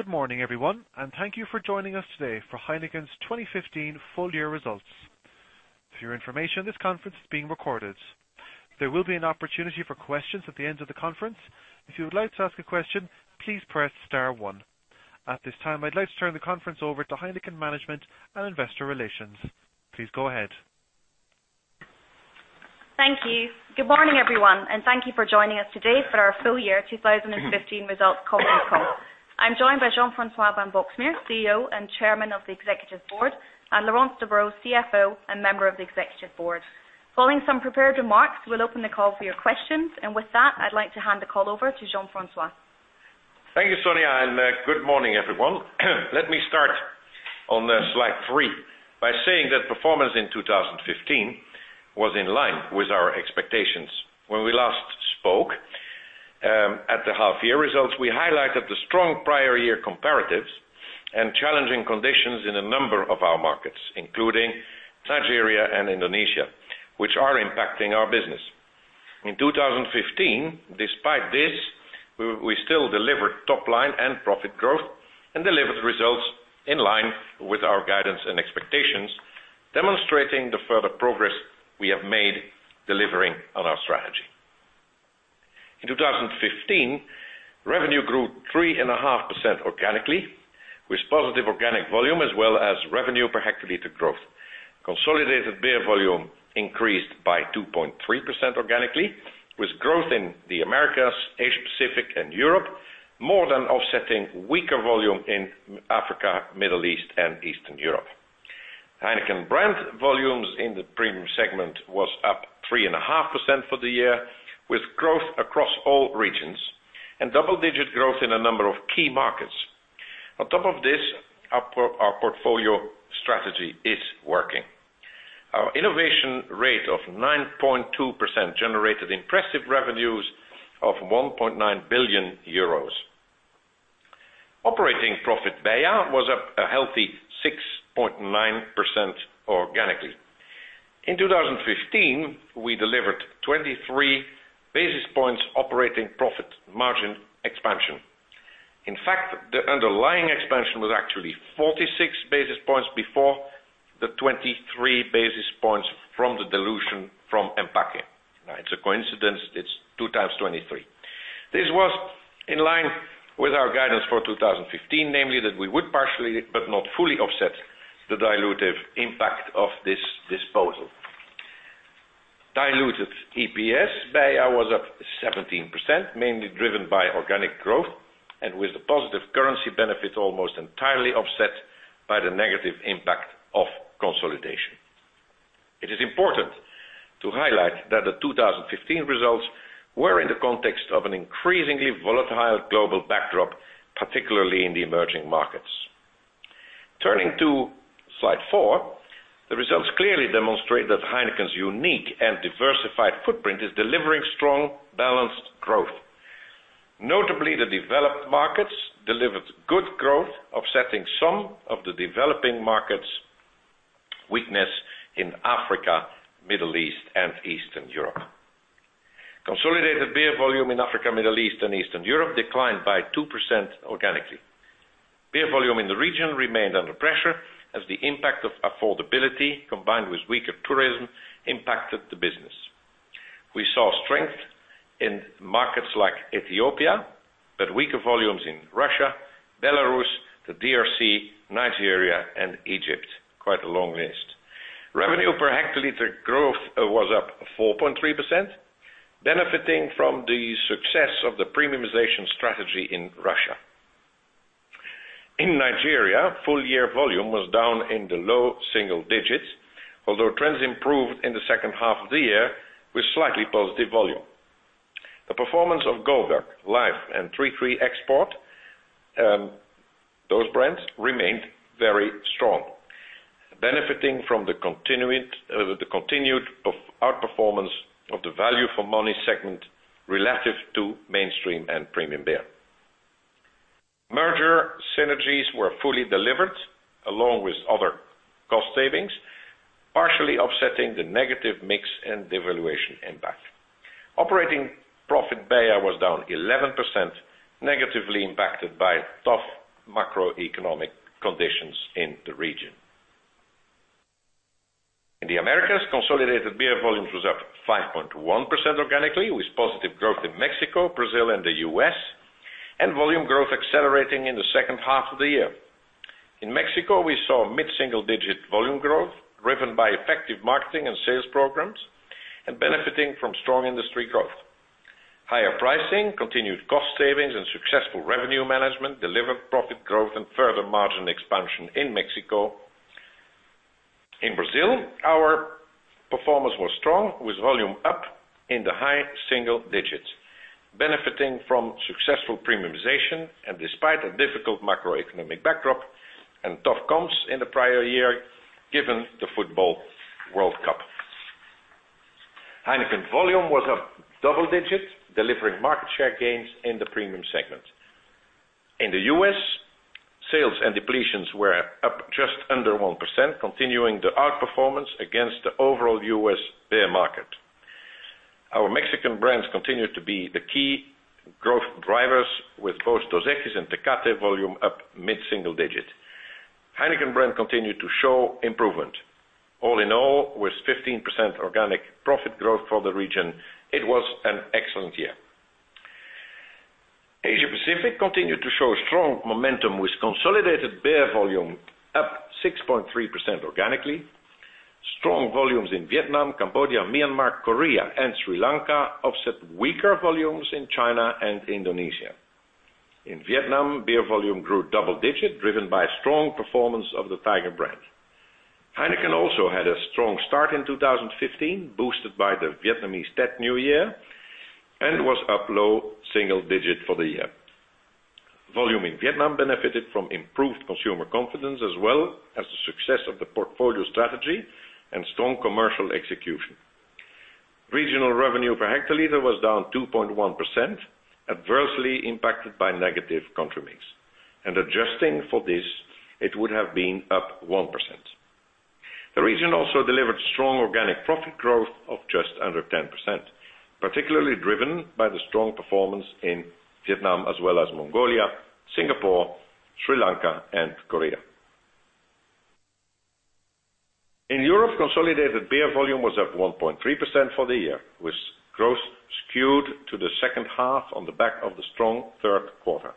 Good morning, everyone, and thank you for joining us today for Heineken's 2015 full year results. For your information, this conference is being recorded. There will be an opportunity for questions at the end of the conference. If you would like to ask a question, please press star one. At this time, I'd like to turn the conference over to Heineken management and investor relations. Please go ahead. Thank you. Good morning, everyone, and thank you for joining us today for our full year 2015 results conference call. I'm joined by Jean-François van Boxmeer, CEO and Chairman of the Executive Board, and Laurence Debroux, CFO and Member of the Executive Board. Following some prepared remarks, we'll open the call for your questions. With that, I'd like to hand the call over to Jean-François. Thank you, Sonya, and good morning, everyone. Let me start on slide three by saying that performance in 2015 was in line with our expectations. When we last spoke at the half year results, we highlighted the strong prior year comparatives and challenging conditions in a number of our markets, including Nigeria and Indonesia, which are impacting our business. In 2015, despite this, we still delivered top line and profit growth and delivered results in line with our guidance and expectations, demonstrating the further progress we have made delivering on our strategy. In 2015, revenue grew 3.5% organically with positive organic volume as well as revenue per hectoliter growth. Consolidated beer volume increased by 2.3% organically with growth in the Americas, Asia Pacific and Europe, more than offsetting weaker volume in Africa, Middle East and Eastern Europe. Heineken brand volumes in the premium segment was up 3.5% for the year, with growth across all regions and double-digit growth in a number of key markets. On top of this, our portfolio strategy is working. Our innovation rate of 9.2% generated impressive revenues of 1.9 billion euros. Operating profit beia was up a healthy 6.9% organically. In 2015, we delivered 23 basis points operating profit margin expansion. In fact, the underlying expansion was actually 46 basis points before the 23 basis points from the dilution from EMPAQUE. It's a coincidence, it's two times 23. This was in line with our guidance for 2015, namely that we would partially but not fully offset the dilutive impact of this disposal. Diluted EPS beia was up 17%, mainly driven by organic growth and with the positive currency benefit almost entirely offset by the negative impact of consolidation. It is important to highlight that the 2015 results were in the context of an increasingly volatile global backdrop, particularly in the emerging markets. Turning to slide 4, the results clearly demonstrate that Heineken's unique and diversified footprint is delivering strong, balanced growth. Notably, the developed markets delivered good growth, offsetting some of the developing markets' weakness in Africa, Middle East and Eastern Europe. Consolidated beer volume in Africa, Middle East and Eastern Europe declined by 2% organically. Beer volume in the region remained under pressure as the impact of affordability combined with weaker tourism impacted the business. We saw strength in markets like Ethiopia, but weaker volumes in Russia, Belarus, the DRC, Nigeria and Egypt. Quite a long list. Revenue per hectoliter growth was up 4.3%, benefiting from the success of the premiumization strategy in Russia. In Nigeria, full year volume was down in the low single digits, although trends improved in the second half of the year with slightly positive volume. The performance of Goldberg, Life and 33 Export, those brands remained very strong, benefiting from the continued outperformance of the value for money segment relative to mainstream and premium beer. Merger synergies were fully delivered along with other cost savings, partially offsetting the negative mix and devaluation impact. Operating profit (beia) was down 11%, negatively impacted by tough macroeconomic conditions in the region. In the Americas, consolidated beer volumes was up 5.1% organically, with positive growth in Mexico, Brazil and the U.S., and volume growth accelerating in the second half of the year. In Mexico, we saw mid-single digit volume growth driven by effective marketing and sales programs and benefiting from strong industry growth. Higher pricing, continued cost savings and successful revenue management delivered profit growth and further margin expansion in Mexico. In Brazil, our performance was strong with volume up in the high single digits, benefiting from successful premiumization and despite a difficult macroeconomic backdrop and tough comps in the prior year given the football World Cup. Heineken volume was up double digits, delivering market share gains in the premium segment. In the U.S., sales and depletions were up just under 1%, continuing the outperformance against the overall U.S. beer market. Our Mexican brands continue to be the key growth drivers, with both Dos Equis and Tecate volume up mid-single digit. Heineken brand continued to show improvement. All in all, with 15% organic profit growth for the region, it was an excellent year. Asia Pacific continued to show strong momentum with consolidated beer volume up 6.3% organically. Strong volumes in Vietnam, Cambodia, Myanmar, Korea, and Sri Lanka offset weaker volumes in China and Indonesia. In Vietnam, beer volume grew double digit, driven by strong performance of the Tiger brand. Heineken also had a strong start in 2015, boosted by the Vietnamese Tet New Year, and was up low single digit for the year. Volume in Vietnam benefited from improved consumer confidence, as well as the success of the portfolio strategy and strong commercial execution. Regional revenue per hectoliter was down 2.1%, adversely impacted by negative country mix. Adjusting for this, it would have been up 1%. The region also delivered strong organic profit growth of just under 10%, particularly driven by the strong performance in Vietnam as well as Mongolia, Singapore, Sri Lanka, and Korea. In Europe, consolidated beer volume was up 1.3% for the year, with growth skewed to the second half on the back of the strong third quarter.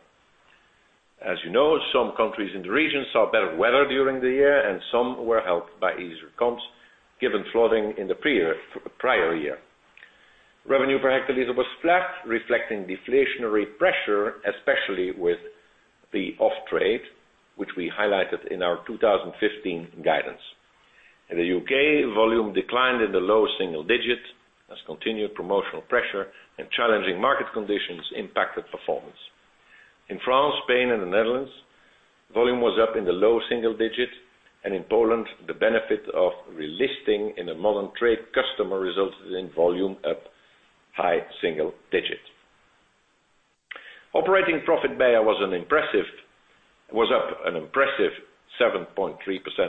As you know, some countries in the region saw better weather during the year, and some were helped by easier comps given flooding in the prior year. Revenue per hectoliter was flat, reflecting deflationary pressure, especially with the off-trade, which we highlighted in our 2015 guidance. In the U.K., volume declined in the low single digits as continued promotional pressure and challenging market conditions impacted performance. In France, Spain, and the Netherlands, volume was up in the low single digits, and in Poland, the benefit of relisting in a modern trade customer resulted in volume up high single digits. Operating profit beia was up an impressive 7.3%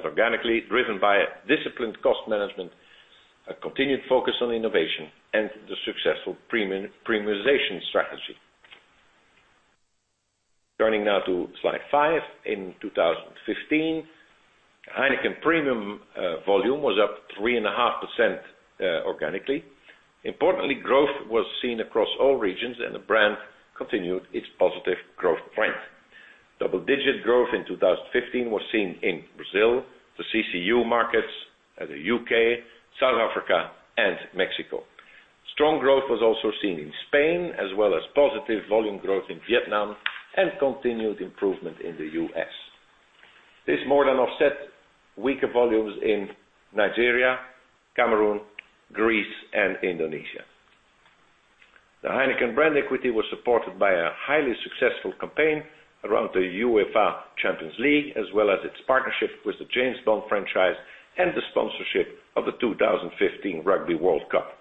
organically, driven by disciplined cost management, a continued focus on innovation, and the successful premiumization strategy. Turning now to slide 5. In 2015, Heineken premium volume was up 3.5% organically. Importantly, growth was seen across all regions, and the brand continued its positive growth trend. Double-digit growth in 2015 was seen in Brazil, the CCU markets, the U.K., South Africa, and Mexico. Strong growth was also seen in Spain, as well as positive volume growth in Vietnam and continued improvement in the U.S. This more than offset weaker volumes in Nigeria, Cameroon, Greece, and Indonesia. The Heineken brand equity was supported by a highly successful campaign around the UEFA Champions League, as well as its partnership with the James Bond franchise and the sponsorship of the 2015 Rugby World Cup.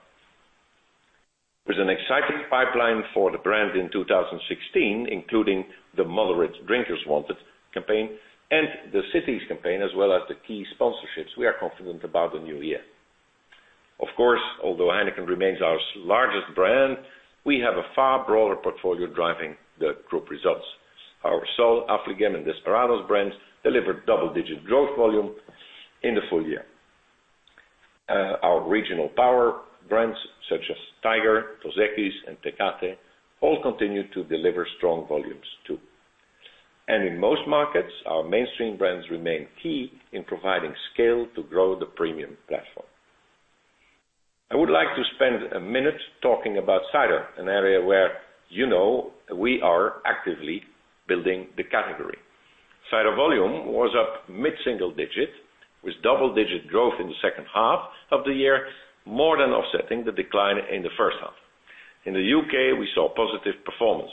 There's an exciting pipeline for the brand in 2016, including the Moderate Drinkers Wanted campaign and the Cities campaign, as well as the key sponsorships. We are confident about the new year. Of course, although Heineken remains our largest brand, we have a far broader portfolio driving the group results. Our Sol, Affligem, and Desperados brands delivered double-digit growth volume in the full year. Our regional power brands such as Tiger, Dos Equis, and Tecate all continued to deliver strong volumes too. In most markets, our mainstream brands remain key in providing scale to grow the premium platform. I would like to spend a minute talking about cider, an area where you know we are actively building the category. Cider volume was up mid-single digit with double-digit growth in the second half of the year, more than offsetting the decline in the first half. In the U.K., we saw positive performance.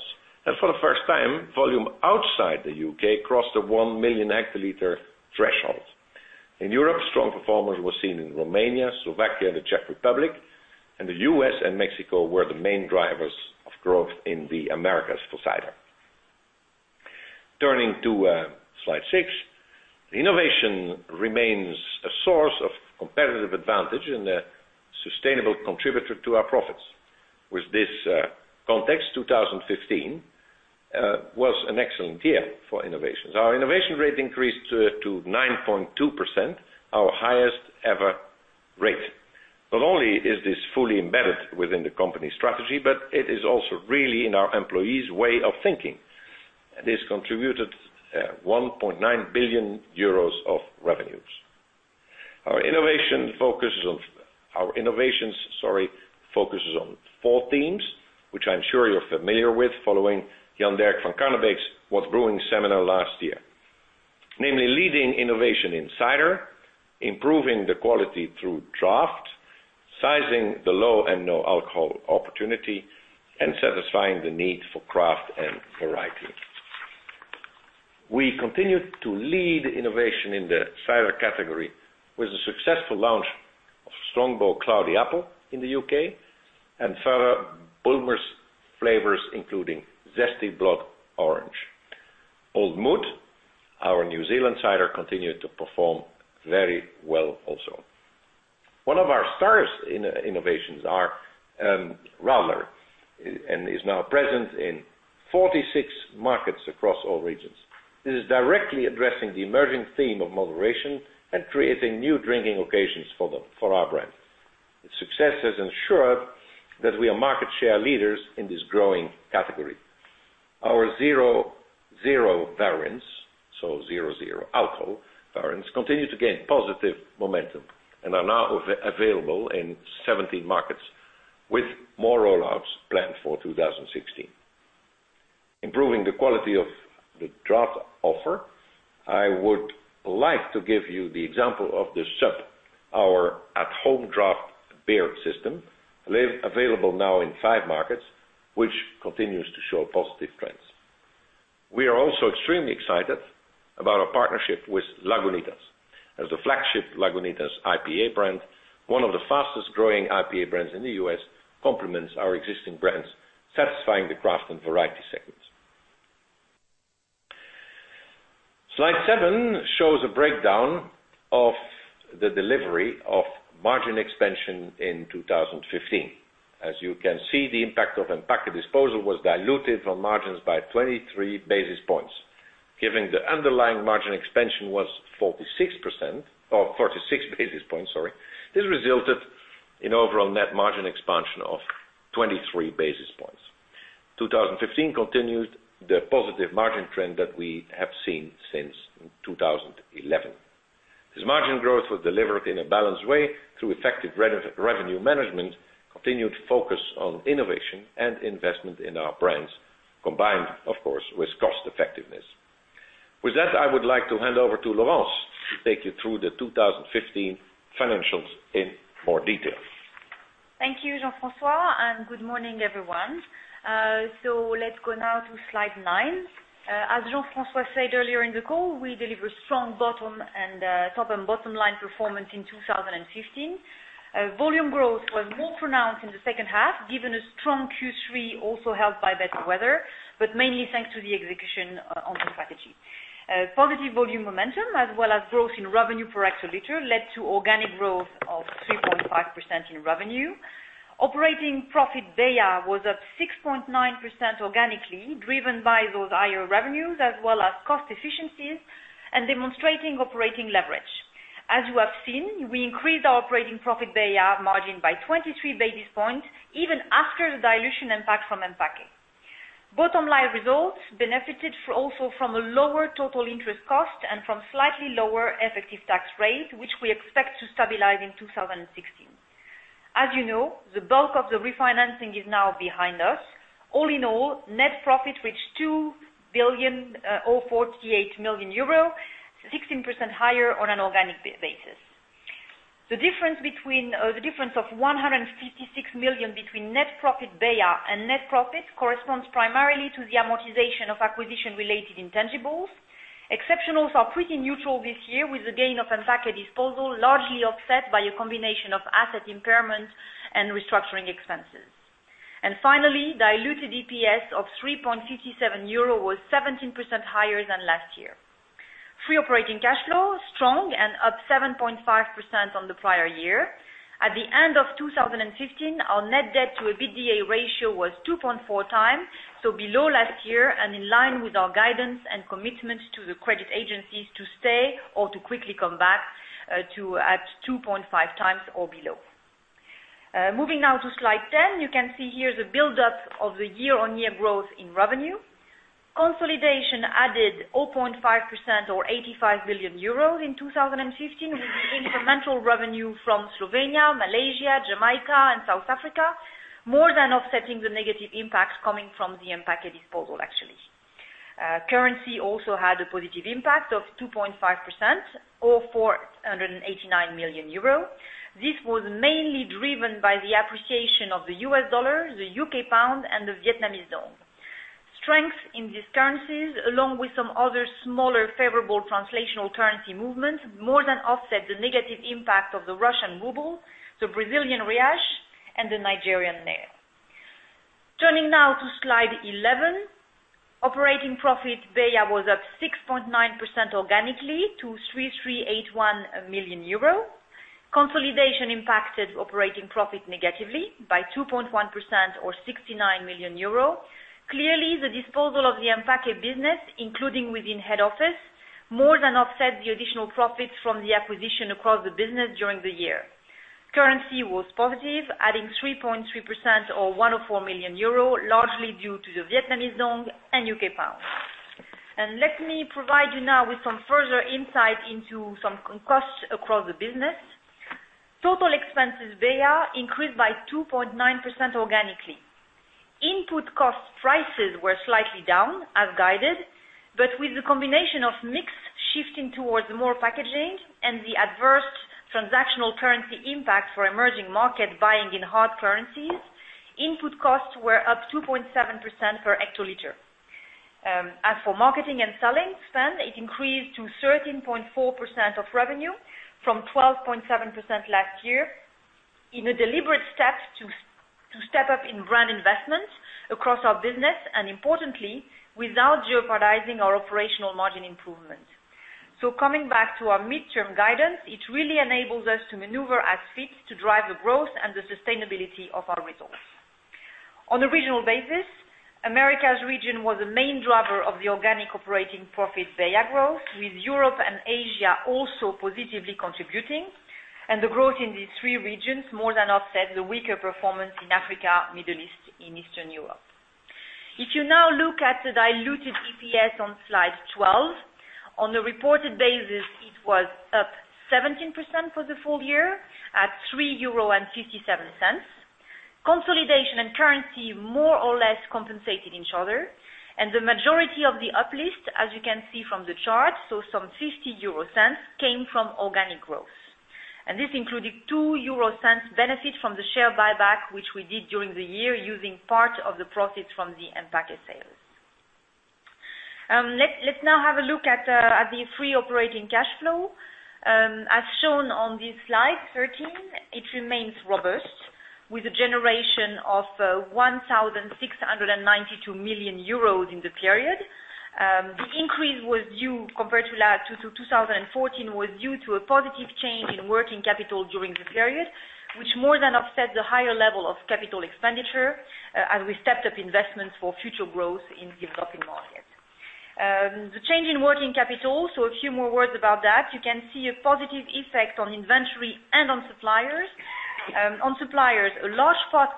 For the first time, volume outside the U.K. crossed the 1 million hectoliter threshold. In Europe, strong performance was seen in Romania, Slovakia, the Czech Republic, and the U.S. and Mexico were the main drivers of growth in the Americas for cider. Turning to slide 6. Innovation remains a source of competitive advantage and a sustainable contributor to our profits. With this context, 2015 was an excellent year for innovations. Our innovation rate increased to 9.2%, our highest ever rate. Not only is this fully embedded within the company strategy, it is also really in our employees' way of thinking. This contributed 1.9 billion euros of revenues. Our innovations focuses on four themes, which I'm sure you're familiar with following Jan-Derck van Karnebeek's What's Brewing seminar last year. Namely, leading innovation in cider, improving the quality through draft, sizing the low and no alcohol opportunity, and satisfying the need for craft and variety. We continued to lead innovation in the cider category with the successful launch of Strongbow Cloudy Apple in the U.K., and further Bulmers flavors, including Bulmers Zesty Blood Orange. Old Mout, our New Zealand cider, continued to perform very well also. One of our stars in innovations are Radler, and is now present in 46 markets across all regions. This is directly addressing the emerging theme of moderation and creating new drinking occasions for our brand. Its success has ensured that we are market share leaders in this growing category. Our zero variants, so zero alcohol variants, continue to gain positive momentum and are now available in 17 markets, with more rollouts planned for 2016. Improving the quality of the draft offer, I would like to give you the example of The Sub, our at-home draft beer system, available now in five markets, which continues to show positive trends. We are also extremely excited about our partnership with Lagunitas. As the flagship Lagunitas IPA brand, one of the fastest growing IPA brands in the U.S., complements our existing brands, satisfying the craft and variety segments. Slide seven shows a breakdown of the delivery of margin expansion in 2015. As you can see, the impact of EMPAQUE disposal was diluted from margins by 23 basis points. Given the underlying margin expansion was 46% or 46 basis points, sorry. This resulted in overall net margin expansion of 23 basis points. 2015 continued the positive margin trend that we have seen since 2011. This margin growth was delivered in a balanced way through effective revenue management, continued focus on innovation, and investment in our brands, combined of course, with cost effectiveness. With that, I would like to hand over to Laurence to take you through the 2015 financials in more detail. Thank you, Jean-François, and good morning, everyone. Let's go now to slide nine. As Jean-François said earlier in the call, we delivered strong top and bottom line performance in 2015. Volume growth was more pronounced in the second half, given a strong Q3, also helped by better weather, but mainly thanks to the execution on the strategy. Positive volume momentum as well as growth in revenue per hectoliter led to organic growth of 3.5% in revenue. Operating profit BEIA was up 6.9% organically, driven by those higher revenues as well as cost efficiencies and demonstrating operating leverage. As you have seen, we increased our operating profit BEIA margin by 23 basis points, even after the dilution impact from EMPAQUE. Bottom line results benefited also from a lower total interest cost and from slightly lower effective tax rate, which we expect to stabilize in 2016. As you know, the bulk of the refinancing is now behind us. All in all, net profit reached 2,048 million euro, 16% higher on an organic basis. The difference of 156 million between net profit BEIA and net profit corresponds primarily to the amortization of acquisition related intangibles. Exceptionals are pretty neutral this year, with the gain of EMPAQUE disposal largely offset by a combination of asset impairment and restructuring expenses. Finally, diluted EPS of 3.57 euro was 17% higher than last year. Free operating cash flow, strong and up 7.5% on the prior year. At the end of 2015, our net debt to EBITDA ratio was 2.4 times, so below last year and in line with our guidance and commitment to the credit agencies to stay or to quickly come back at 2.5 times or below. Moving now to slide 10. You can see here the build-up of the year-on-year growth in revenue. Consolidation added 0.5% or 85 million euros in 2015, with the incremental revenue from Slovenia, Malaysia, Jamaica, and South Africa more than offsetting the negative impacts coming from the EMPAQUE disposal, actually. Currency also had a positive impact of 2.5% or 489 million euro. This was mainly driven by the appreciation of the U.S. dollar, the U.K. pound, and the Vietnamese dong. Strength in these currencies, along with some other smaller favorable translational currency movements, more than offset the negative impact of the Russian ruble, the Brazilian reais, and the Nigerian naira. Turning now to slide 11. Operating profit (beia) was up 6.9% organically to 3,381 million euro. Consolidation impacted operating profit negatively by 2.1% or 69 million euro. Clearly, the disposal of the EMPAQUE business, including within head office, more than offset the additional profits from the acquisition across the business during the year. Currency was positive, adding 3.3% or 104 million euro, largely due to the Vietnamese dong and U.K. pound. Let me provide you now with some further insight into some costs across the business. Total expenses, beia increased by 2.9% organically. Input cost prices were slightly down, as guided, but with the combination of mix shifting towards more packaging and the adverse transactional currency impact for emerging market buying in hard currencies Input costs were up 2.7% per hectoliter. As for marketing and selling spend, it increased to 13.4% of revenue from 12.7% last year in a deliberate step to step up in brand investments across our business, and importantly, without jeopardizing our operational margin improvement. Coming back to our midterm guidance, it really enables us to maneuver as fit to drive the growth and the sustainability of our results. On a regional basis, Americas region was the main driver of the organic operating profit (beia) growth, with Europe and Asia also positively contributing. The growth in these three regions more than offset the weaker performance in Africa, Middle East and Eastern Europe. If you now look at the diluted EPS on slide 12, on a reported basis, it was up 17% for the full year at 3.57 euro. Consolidation and currency more or less compensated each other and the majority of the uplift, as you can see from the chart, so some 0.50 came from organic growth. This included 0.02 benefit from the share buyback, which we did during the year using part of the profits from the EMPAQUE sales. Let's now have a look at the free operating cash flow. As shown on this slide 13, it remains robust with a generation of 1,692 million euros in the period. The increase compared to 2014 was due to a positive change in working capital during the period, which more than offset the higher level of capital expenditure as we stepped up investments for future growth in developing markets. The change in working capital. A few more words about that. You can see a positive effect on inventory and on suppliers. On suppliers, a large part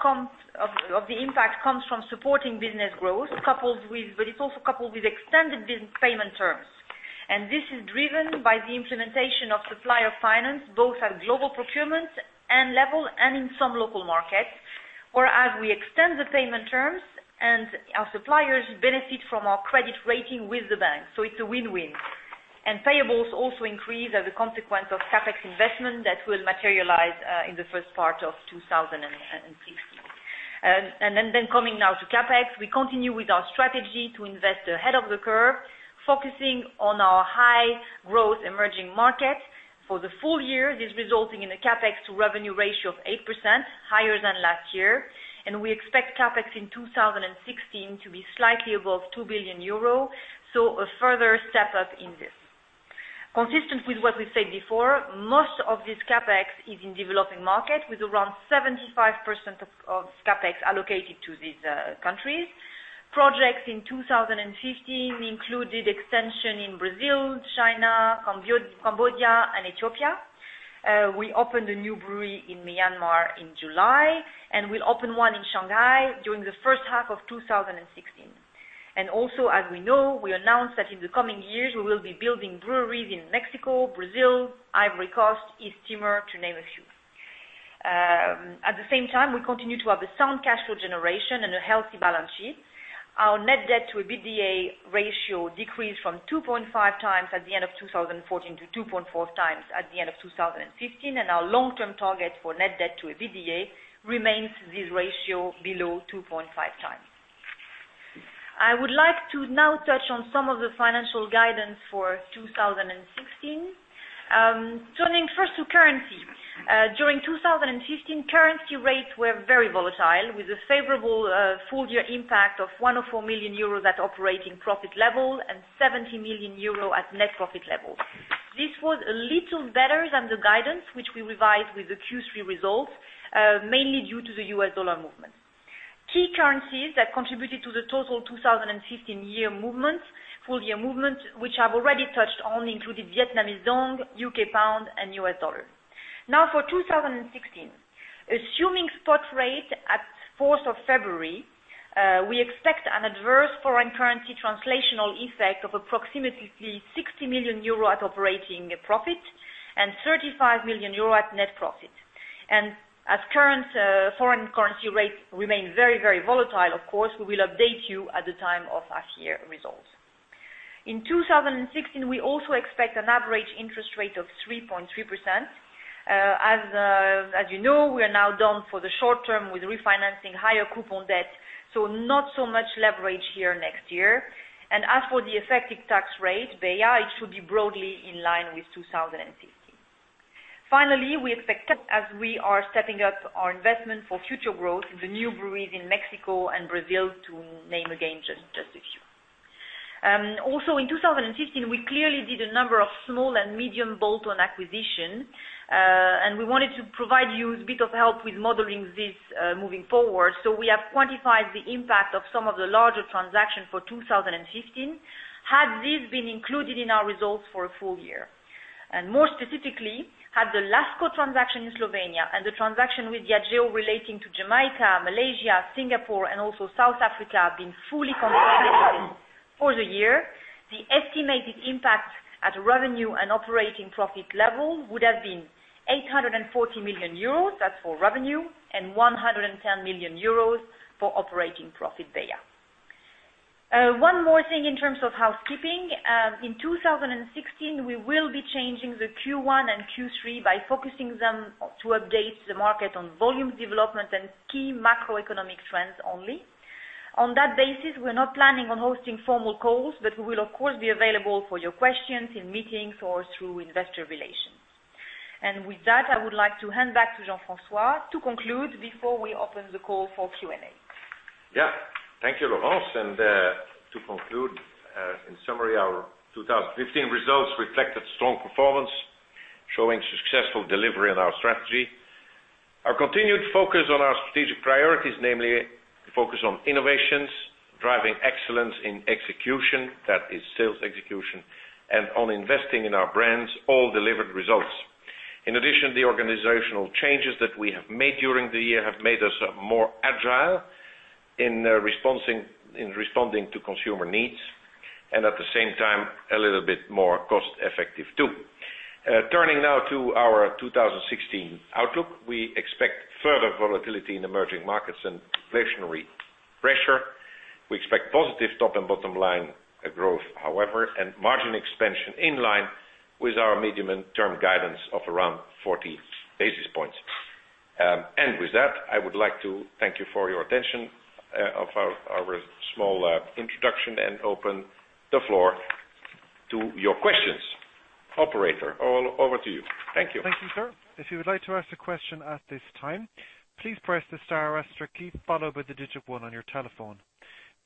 of the impact comes from supporting business growth, but it's also coupled with extended business payment terms. This is driven by the implementation of supplier finance, both at global procurement and level and in some local markets. As we extend the payment terms and our suppliers benefit from our credit rating with the bank, so it's a win-win. Payables also increase as a consequence of CapEx investment that will materialize in the first part of 2016. Coming now to CapEx, we continue with our strategy to invest ahead of the curve, focusing on our high growth emerging markets. For the full year, this resulting in a CapEx to revenue ratio of 8% higher than last year, and we expect CapEx in 2016 to be slightly above 2 billion euro. A further step up in this. Consistent with what we said before, most of this CapEx is in developing market with around 75% of CapEx allocated to these countries. Projects in 2015 included extension in Brazil, China, Cambodia and Ethiopia. We opened a new brewery in Myanmar in July, we'll open one in Shanghai during the first half of 2016. As we know, we announced that in the coming years we will be building breweries in Mexico, Brazil, Ivory Coast, East Timor, to name a few. At the same time, we continue to have a sound cash flow generation and a healthy balance sheet. Our net debt to EBITDA ratio decreased from 2.5 times at the end of 2014 to 2.4 times at the end of 2015. Our long term target for net debt to EBITDA remains this ratio below 2.5 times. I would like to now touch on some of the financial guidance for 2016. Turning first to currency. During 2015, currency rates were very volatile with a favorable full year impact of 104 million euros at operating profit level and 70 million euros at net profit level. This was a little better than the guidance which we revised with the Q3 results, mainly due to the U.S. dollar movement. Key currencies that contributed to the total 2015 year movements, full year movements, which I've already touched on, included Vietnamese dong, U.K. pound and U.S. dollar. For 2016, assuming spot rate at 4th of February, we expect an adverse foreign currency translational effect of approximately 60 million euro at operating profit and 35 million euro at net profit. As current foreign currency rates remain very, very volatile, of course, we will update you at the time of our year results. In 2016, we also expect an average interest rate of 3.3%. As you know, we are now done for the short term with refinancing higher coupon debt, not so much leverage here next year. As for the effective tax rate, BI, it should be broadly in line with 2015. We expect as we are stepping up our investment for future growth in the new breweries in Mexico and Brazil, to name again, just a few. In 2015, we clearly did a number of small and medium bolt-on acquisitions, we wanted to provide you with a bit of help with modeling this moving forward. We have quantified the impact of some of the larger transactions for 2015. Had these been included in our results for a full year, and more specifically, had the Lasko transaction in Slovenia and the transaction with Diageo relating to Jamaica, Malaysia, Singapore and also South Africa been fully consolidated for the year, the estimated impact at revenue and operating profit level would have been 840 million euros, that's for revenue, and 110 million euros for operating profit beia. One more thing in terms of housekeeping. In 2016, we will be changing the Q1 and Q3 by focusing them to update the market on volume development and key macroeconomic trends only. On that basis, we're not planning on hosting formal calls, but we will, of course, be available for your questions in meetings or through investor relations. With that, I would like to hand back to Jean-François to conclude before we open the call for Q&A. Thank you, Laurence. To conclude, in summary, our 2015 results reflected strong performance, showing successful delivery on our strategy. Our continued focus on our strategic priorities, namely focus on innovations, driving excellence in execution, that is sales execution, and on investing in our brands, all delivered results. In addition, the organizational changes that we have made during the year have made us more agile in responding to consumer needs, and at the same time, a little bit more cost effective too. Turning now to our 2016 outlook. We expect further volatility in emerging markets and inflationary pressure. We expect positive top and bottom line growth, however, and margin expansion in line with our medium and term guidance of around 40 basis points. With that, I would like to thank you for your attention of our small introduction and open the floor to your questions. Operator, all over to you. Thank you. Thank you, sir. If you would like to ask a question at this time, please press the * key followed by the digit one on your telephone.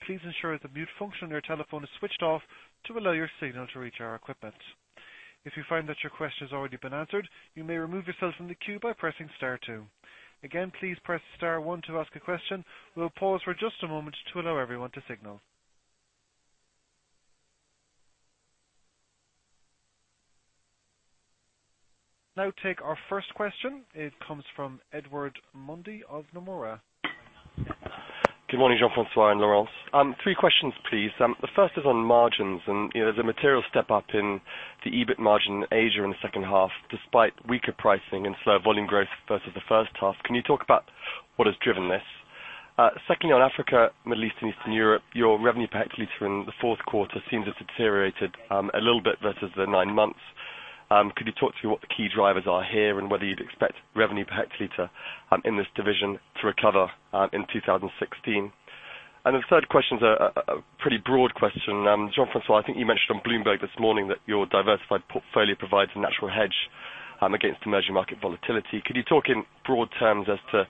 Please ensure the mute function on your telephone is switched off to allow your signal to reach our equipment. If you find that your question has already been answered, you may remove yourself from the queue by pressing * two. Again, please press * one to ask a question. We'll pause for just a moment to allow everyone to signal. Now take our first question. It comes from Edward Mundy of Nomura. Good morning, Jean-François and Laurence. Three questions, please. The first is on margins. There's a material step up in the EBIT margin in Asia in the second half, despite weaker pricing and slower volume growth versus the first half. Can you talk about what has driven this? Secondly, on Africa, Middle East, and Eastern Europe, your revenue per hectoliter in the fourth quarter seems it's deteriorated a little bit versus the nine months. Could you talk to what the key drivers are here and whether you'd expect revenue per hectoliter in this division to recover in 2016? The third question's a pretty broad question. Jean-François, I think you mentioned on Bloomberg this morning that your diversified portfolio provides a natural hedge against emerging market volatility. Could you talk in broad terms as to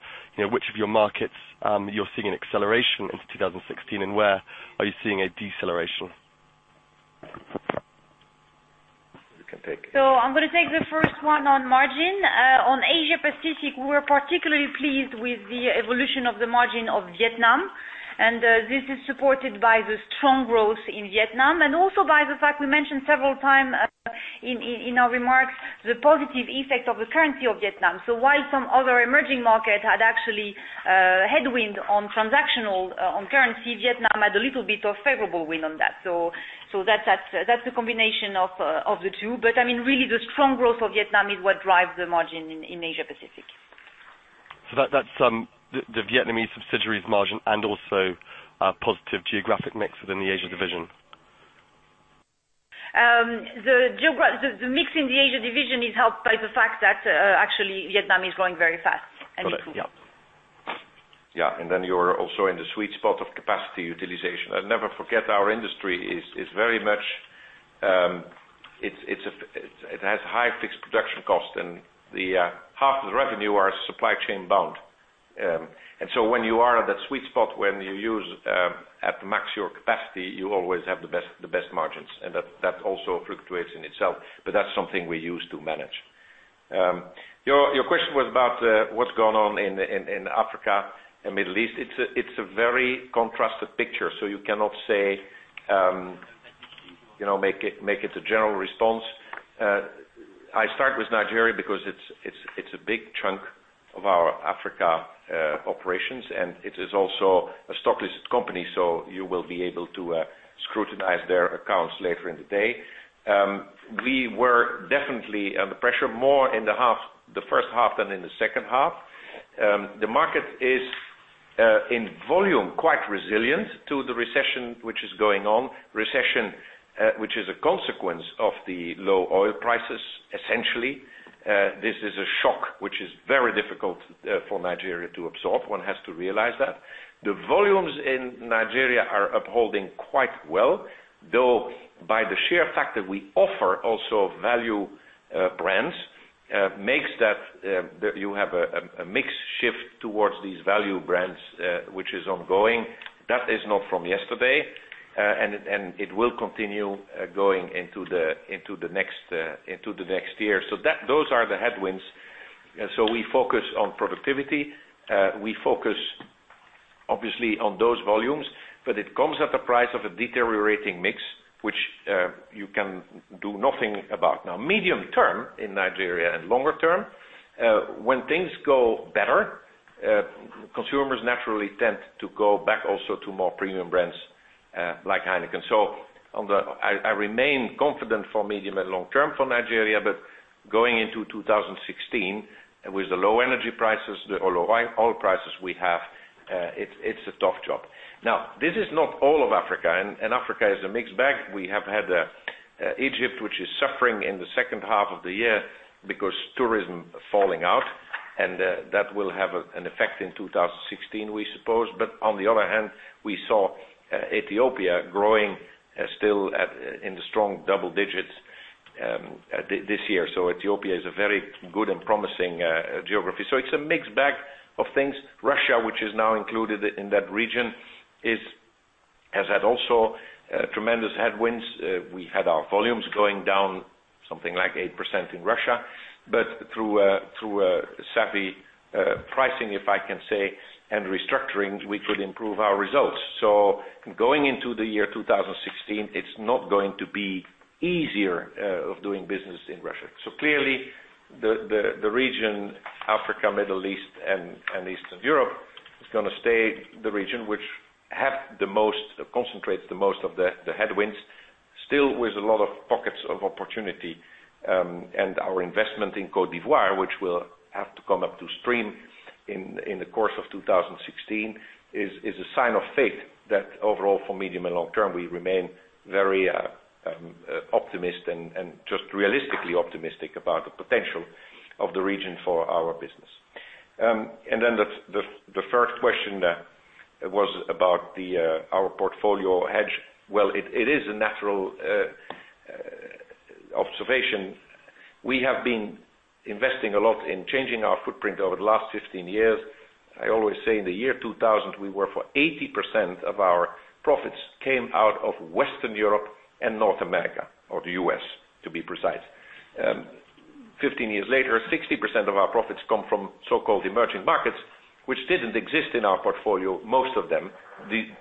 which of your markets you're seeing an acceleration into 2016 and where are you seeing a deceleration? You can take. I'm going to take the first one on margin. On Asia Pacific, we're particularly pleased with the evolution of the margin of Vietnam. This is supported by the strong growth in Vietnam and also by the fact we mentioned several times in our remarks the positive effect of the currency of Vietnam. While some other emerging markets had actually a headwind on transactional on currency, Vietnam had a little bit of favorable wind on that. That's a combination of the two. Really the strong growth of Vietnam is what drives the margin in Asia Pacific. That's the Vietnamese subsidiary's margin and also a positive geographic mix within the Asia division. The mix in the Asia division is helped by the fact that actually Vietnam is growing very fast and improving. Got it. Yeah. Then you're also in the sweet spot of capacity utilization. Never forget our industry, it has high fixed production cost and half the revenue are supply chain bound. So when you are at that sweet spot, when you use at max your capacity, you always have the best margins, and that also fluctuates in itself. That's something we use to manage. Your question was about what's going on in Africa and Middle East. It's a very contrasted picture, so you cannot make it a general response. I start with Nigeria because it's a big chunk of our Africa operations, and it is also a stock-listed company, so you will be able to scrutinize their accounts later in the day. We were definitely under pressure more in the first half than in the second half. The market is, in volume, quite resilient to the recession which is going on. Recession, which is a consequence of the low oil prices, essentially. This is a shock which is very difficult for Nigeria to absorb. One has to realize that. The volumes in Nigeria are upholding quite well, though, by the sheer fact that we offer also value brands makes that you have a mix shift towards these value brands, which is ongoing. That is not from yesterday. It will continue going into the next year. Those are the headwinds. We focus on productivity. We focus, obviously, on those volumes, but it comes at the price of a deteriorating mix, which you can do nothing about. Medium term in Nigeria and longer term, when things go better, consumers naturally tend to go back also to more premium brands like Heineken. I remain confident for medium and long term for Nigeria. Going into 2016, with the low energy prices, the low oil prices we have, it's a tough job. This is not all of Africa, and Africa is a mixed bag. We have had Egypt, which is suffering in the second half of the year because tourism falling out, and that will have an effect in 2016, we suppose. On the other hand, we saw Ethiopia growing still in the strong double digits this year. Ethiopia is a very good and promising geography. It's a mixed bag of things. Russia, which is now included in that region, has had also tremendous headwinds. We had our volumes going down something like 8% in Russia, but through savvy pricing, if I can say, and restructuring, we could improve our results. Going into the year 2016, it's not going to be easier of doing business in Russia. Clearly, the region, Africa, Middle East, and Eastern Europe is going to stay the region which concentrates the most of the headwinds, still with a lot of pockets of opportunity. Our investment in Côte d'Ivoire, which will have to come up to stream in the course of 2016, is a sign of faith that overall for medium and long term, we remain very optimist and just realistically optimistic about the potential of the region for our business. The first question was about our portfolio hedge. It is a natural observation. We have been investing a lot in changing our footprint over the last 15 years. I always say in the year 2000, we were for 80% of our profits came out of Western Europe and North America, or the U.S., to be precise. 15 years later, 60% of our profits come from so-called emerging markets, which didn't exist in our portfolio, most of them,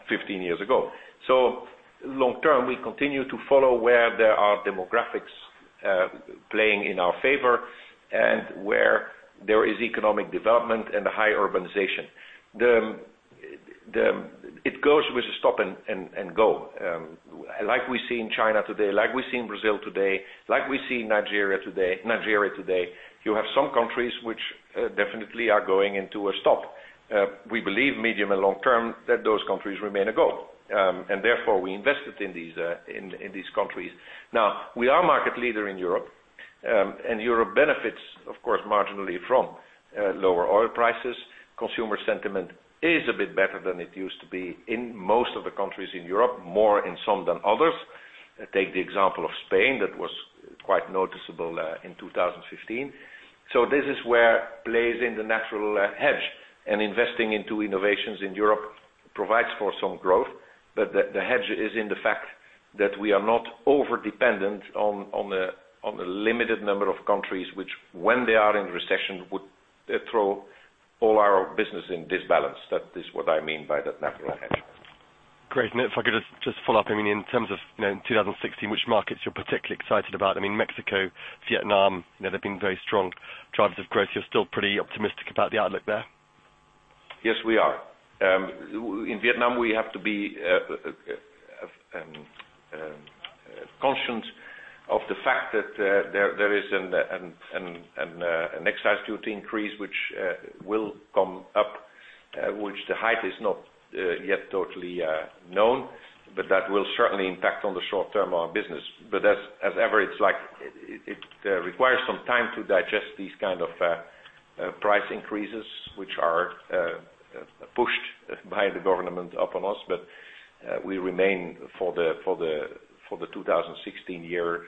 15 years ago. Long term, we continue to follow where there are demographics playing in our favor and where there is economic development and a high urbanization. It goes with a stop and go, like we see in China today, like we see in Brazil today, like we see in Nigeria today. You have some countries which definitely are going into a stop. We believe medium and long term that those countries remain a go. Therefore, we invested in these countries. We are market leader in Europe, and Europe benefits, of course, marginally from lower oil prices. Consumer sentiment is a bit better than it used to be in most of the countries in Europe, more in some than others. Take the example of Spain, that was quite noticeable in 2015. This is where plays in the natural hedge and investing into innovations in Europe provides for some growth. The hedge is in the fact that we are not overdependent on the limited number of countries, which when they are in recession, would throw all our business in disbalance. That is what I mean by that natural hedge. Great. If I could just follow up, in terms of in 2016, which markets you're particularly excited about? I mean, Mexico, Vietnam, they've been very strong drivers of growth. You're still pretty optimistic about the outlook there? Yes, we are. In Vietnam, we have to be conscious of the fact that there is an excise duty increase which will come up, which the height is not yet totally known, but that will certainly impact on the short term on business. As ever, it requires some time to digest these kind of price increases, which are pushed by the government upon us. We remain for the 2016 year,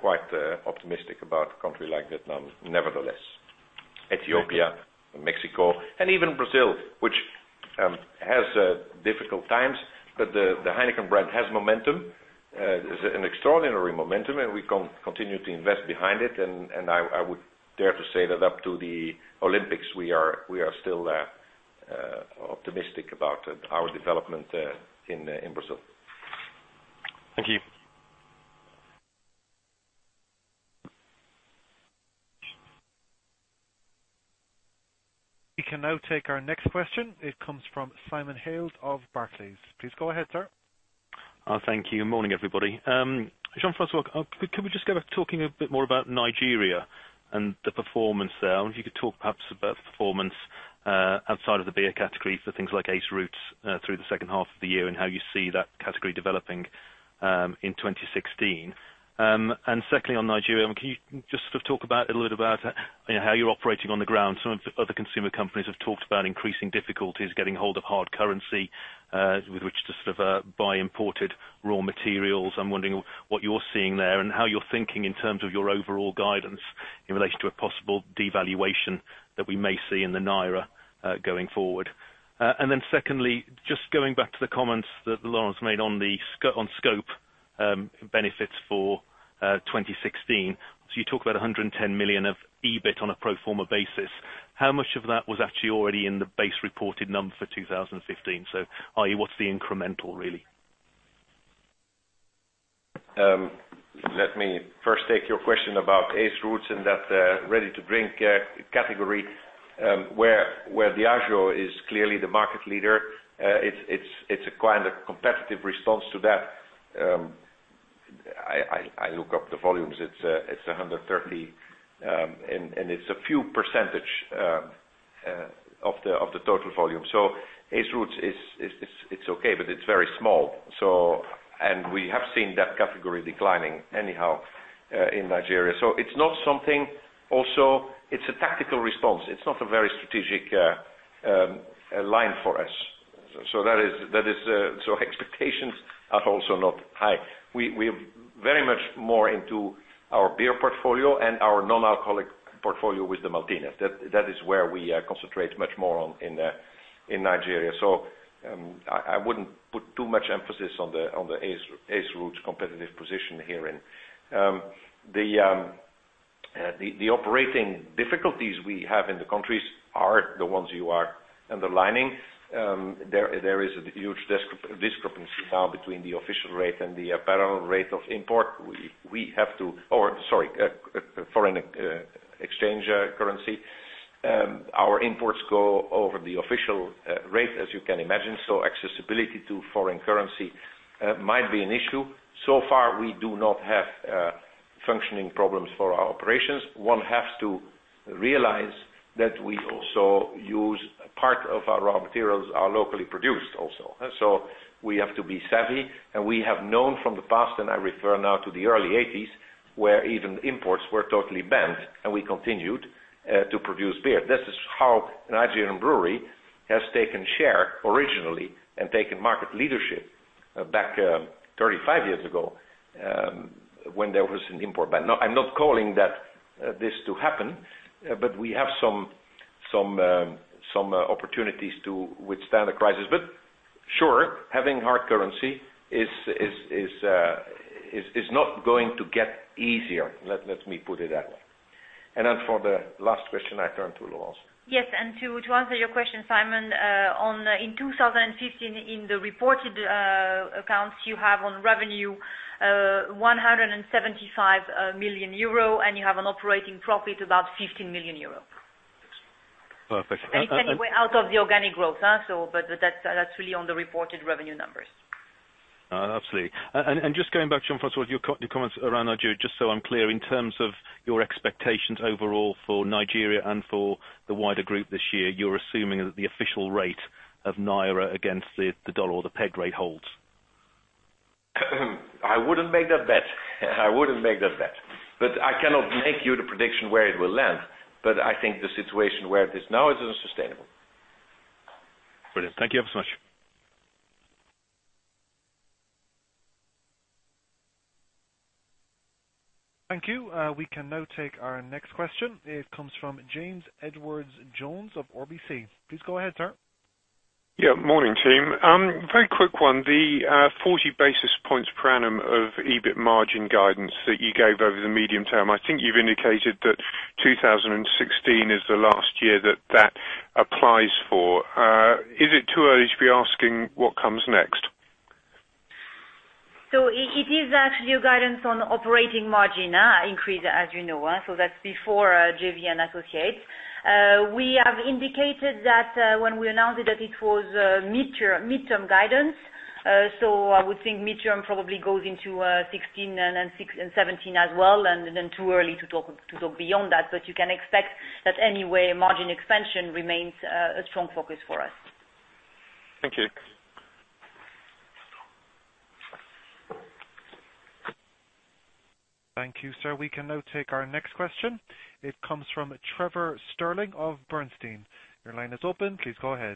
quite optimistic about a country like Vietnam, nevertheless. Ethiopia, Mexico, and even Brazil, which has difficult times, but the Heineken brand has momentum. Is an extraordinary momentum, and we continue to invest behind it, and I would dare to say that up to the Olympics, we are still optimistic about our development in Brazil. Thank you. We can now take our next question. It comes from Simon Hales of Barclays. Please go ahead, sir. Thank you, and morning, everybody. Jean-François, could we just go back talking a bit more about Nigeria and the performance there? I wonder if you could talk perhaps about the performance outside of the beer category for things like Ace Roots through the second half of the year and how you see that category developing in 2016. Secondly, on Nigeria, can you just talk about a little bit about how you're operating on the ground? Some of the other consumer companies have talked about increasing difficulties getting hold of hard currency with which to buy imported raw materials. I'm wondering what you're seeing there and how you're thinking in terms of your overall guidance in relation to a possible devaluation that we may see in the Naira going forward. Then secondly, just going back to the comments that Laurence made on scope benefits for 2016. You talk about 110 million of EBIT on a pro forma basis. How much of that was actually already in the base reported number for 2015? I.e., what's the incremental really? Let me first take your question about Ace Roots and that ready-to-drink category, where Diageo is clearly the market leader. It's a competitive response to that I look up the volumes. It's 130, and it's a few percent of the total volume. Ace Roots, it's okay, but it's very small. We have seen that category declining anyhow, in Nigeria. It's not something. Also, it's a tactical response. It's not a very strategic line for us. Expectations are also not high. We're very much more into our beer portfolio and our non-alcoholic portfolio with the Maltina. That is where we concentrate much more on in Nigeria. I wouldn't put too much emphasis on the Ace Roots competitive position herein. The operating difficulties we have in the countries are the ones you are underlining. There is a huge discrepancy now between the official rate and the parallel rate of import. We have to, sorry, foreign exchange currency. Our imports go over the official rate, as you can imagine. Accessibility to foreign currency might be an issue. Far, we do not have functioning problems for our operations. One has to realize that we also use part of our raw materials are locally produced also. We have to be savvy, and we have known from the past, and I refer now to the early 1980s, where even imports were totally banned, and we continued to produce beer. This is how Nigerian Breweries has taken share originally and taken market leadership back 35 years ago, when there was an import ban. I'm not calling this to happen, but we have some opportunities to withstand a crisis, but sure, having hard currency is not going to get easier. Let me put it that way. For the last question, I turn to Laurence. Yes. To answer your question, Simon, in 2015, in the reported accounts, you have on revenue 175 million euro, and you have an operating profit about 15 million euro. Yes. Perfect. It's anyway out of the organic growth. That's really on the reported revenue numbers. Absolutely. Just going back, Jean-François, your comments around Nigeria, just so I'm clear, in terms of your expectations overall for Nigeria and for the wider group this year, you're assuming that the official rate of naira against the dollar or the peg rate holds? I wouldn't make that bet. I wouldn't make that bet. I cannot make you the prediction where it will land. I think the situation where it is now isn't sustainable. Brilliant. Thank you ever so much. Thank you. We can now take our next question. It comes from James Edwardes Jones of RBC. Please go ahead, sir. Morning, team. Very quick one. The 40 basis points per annum of EBIT margin guidance that you gave over the medium term, I think you've indicated that 2016 is the last year that that applies for. Is it too early to be asking what comes next? It is actually a guidance on operating margin increase, as you know. That's before JV and associates. We have indicated that when we announced it, that it was mid-term guidance. I would think mid-term probably goes into 2016 and 2017 as well, too early to talk beyond that, you can expect that anyway, margin expansion remains a strong focus for us. Thank you. Thank you, sir. We can now take our next question. It comes from Trevor Stirling of Bernstein. Your line is open. Please go ahead.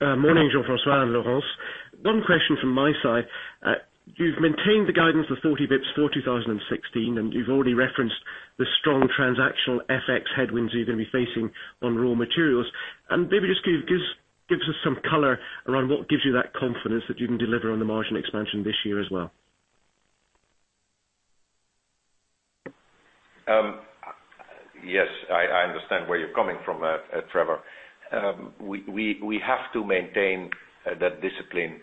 Morning, Jean-François and Laurence. One question from my side. You've maintained the guidance of 40 basis points for 2016, you've already referenced the strong transactional FX headwinds you're going to be facing on raw materials. Maybe just give us some color around what gives you that confidence that you can deliver on the margin expansion this year as well. Yes, I understand where you're coming from, Trevor. We have to maintain that discipline,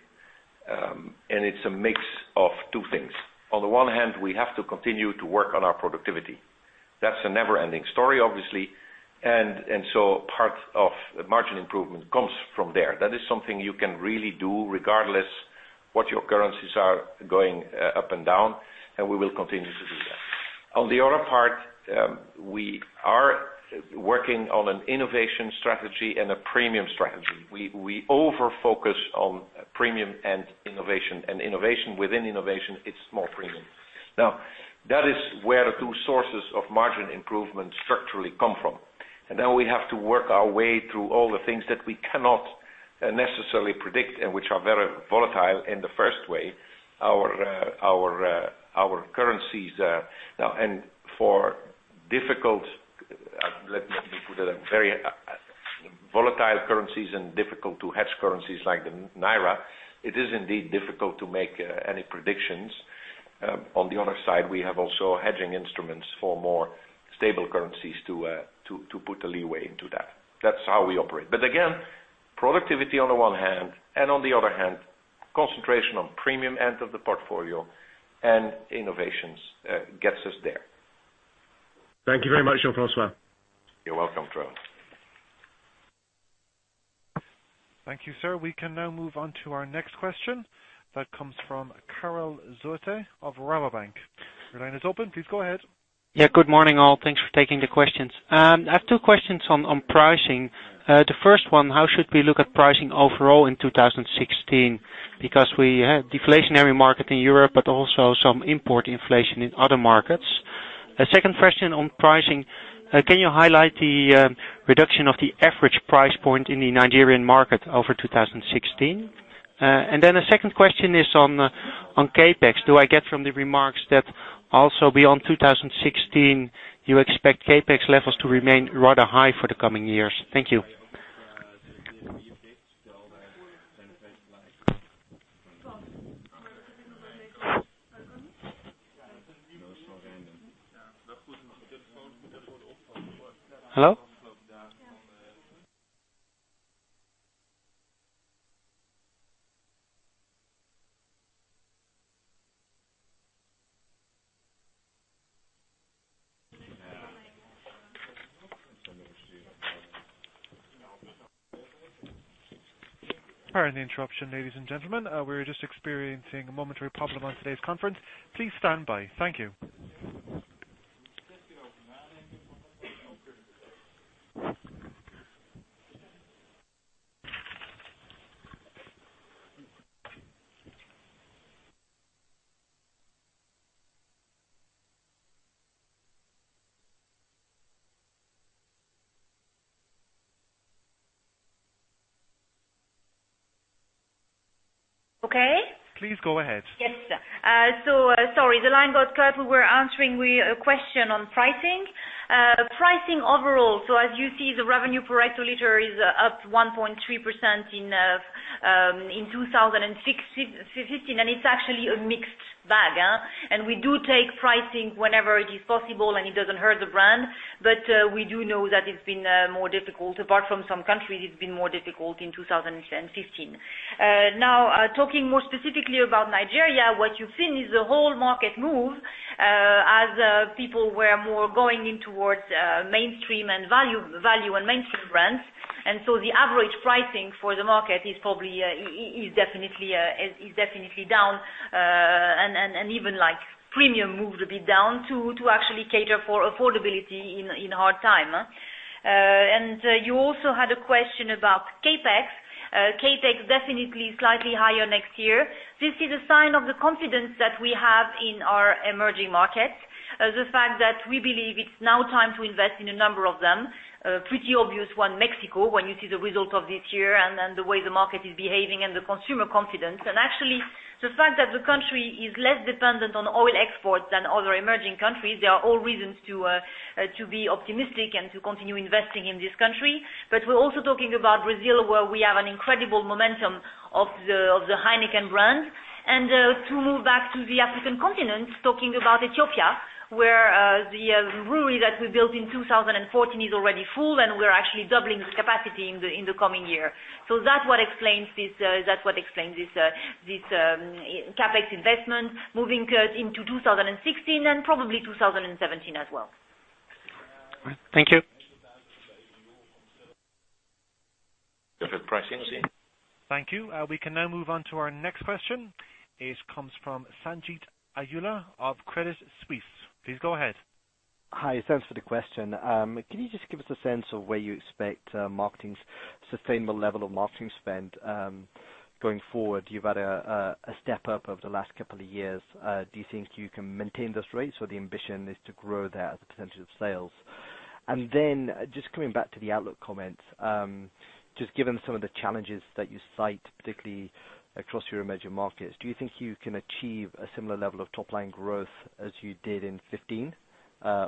and it's a mix of two things. On the one hand, we have to continue to work on our productivity. That's a never-ending story, obviously. Part of margin improvement comes from there. That is something you can really do regardless what your currencies are going up and down, and we will continue to do that. On the other part, we are working on an innovation strategy and a premium strategy. We over-focus on premium and innovation, and innovation within innovation, it's more premium. That is where the two sources of margin improvement structurally come from. Now we have to work our way through all the things that we cannot necessarily predict and which are very volatile in the first way, our currencies. Let me put it, very volatile currencies and difficult to hedge currencies like the naira, it is indeed difficult to make any predictions. On the other side, we have also hedging instruments for more stable currencies to put a leeway into that. That's how we operate. Productivity on the one hand and on the other hand, concentration on premium end of the portfolio and innovations gets us there. Thank you very much, Jean-François. You're welcome, Trevor. Thank you, sir. We can now move on to our next question, that comes from Karel Zwaan of Rabobank. Your line is open. Please go ahead. Yeah. Good morning, all. Thanks for taking the questions. I have two questions on pricing. The first one, how should we look at pricing overall in 2016? We have a deflationary market in Europe, but also some import inflation in other markets. A second question on pricing, can you highlight the reduction of the average price point in the Nigerian market over 2016? The second question is on CapEx. Do I get from the remarks that also beyond 2016, you expect CapEx levels to remain rather high for the coming years? Thank you. Hello? Pardon the interruption, ladies and gentlemen. We are just experiencing a momentary problem on today's conference. Please stand by. Thank you. Okay. Please go ahead. Yes, sir. Sorry, the line got cut. We were answering a question on pricing. Pricing overall, as you see, the revenue per hectoliter is up 1.3% in 2016, and it's actually a mixed bag. We do take pricing whenever it is possible, and it doesn't hurt the brand. We do know that it's been more difficult. Apart from some countries, it's been more difficult in 2015. Talking more specifically about Nigeria, what you've seen is the whole market move as people were more going in towards value and mainstream brands. The average pricing for the market is definitely down, and even premium moved a bit down too, to actually cater for affordability in hard time. You also had a question about CapEx. CapEx definitely slightly higher next year. This is a sign of the confidence that we have in our emerging markets. The fact that we believe it's now time to invest in a number of them. A pretty obvious one, Mexico, when you see the result of this year and the way the market is behaving and the consumer confidence. Actually, the fact that the country is less dependent on oil exports than other emerging countries, they are all reasons to be optimistic and to continue investing in this country. We're also talking about Brazil, where we have an incredible momentum of the Heineken brand. To move back to the African continent, talking about Ethiopia, where the brewery that we built in 2014 is already full, and we're actually doubling this capacity in the coming year. That's what explains this CapEx investment moving into 2016 and probably 2017 as well. Thank you. Thank you. We can now move on to our next question. It comes from Sanjeet Aujla of Credit Suisse. Please go ahead. Hi, thanks for the question. Can you just give us a sense of where you expect sustainable level of marketing spend going forward? You've had a step up over the last couple of years. Do you think you can maintain those rates, or the ambition is to grow that as a percentage of sales? Just coming back to the outlook comments, just given some of the challenges that you cite, particularly across your emerging markets, do you think you can achieve a similar level of top-line growth as you did in 2015?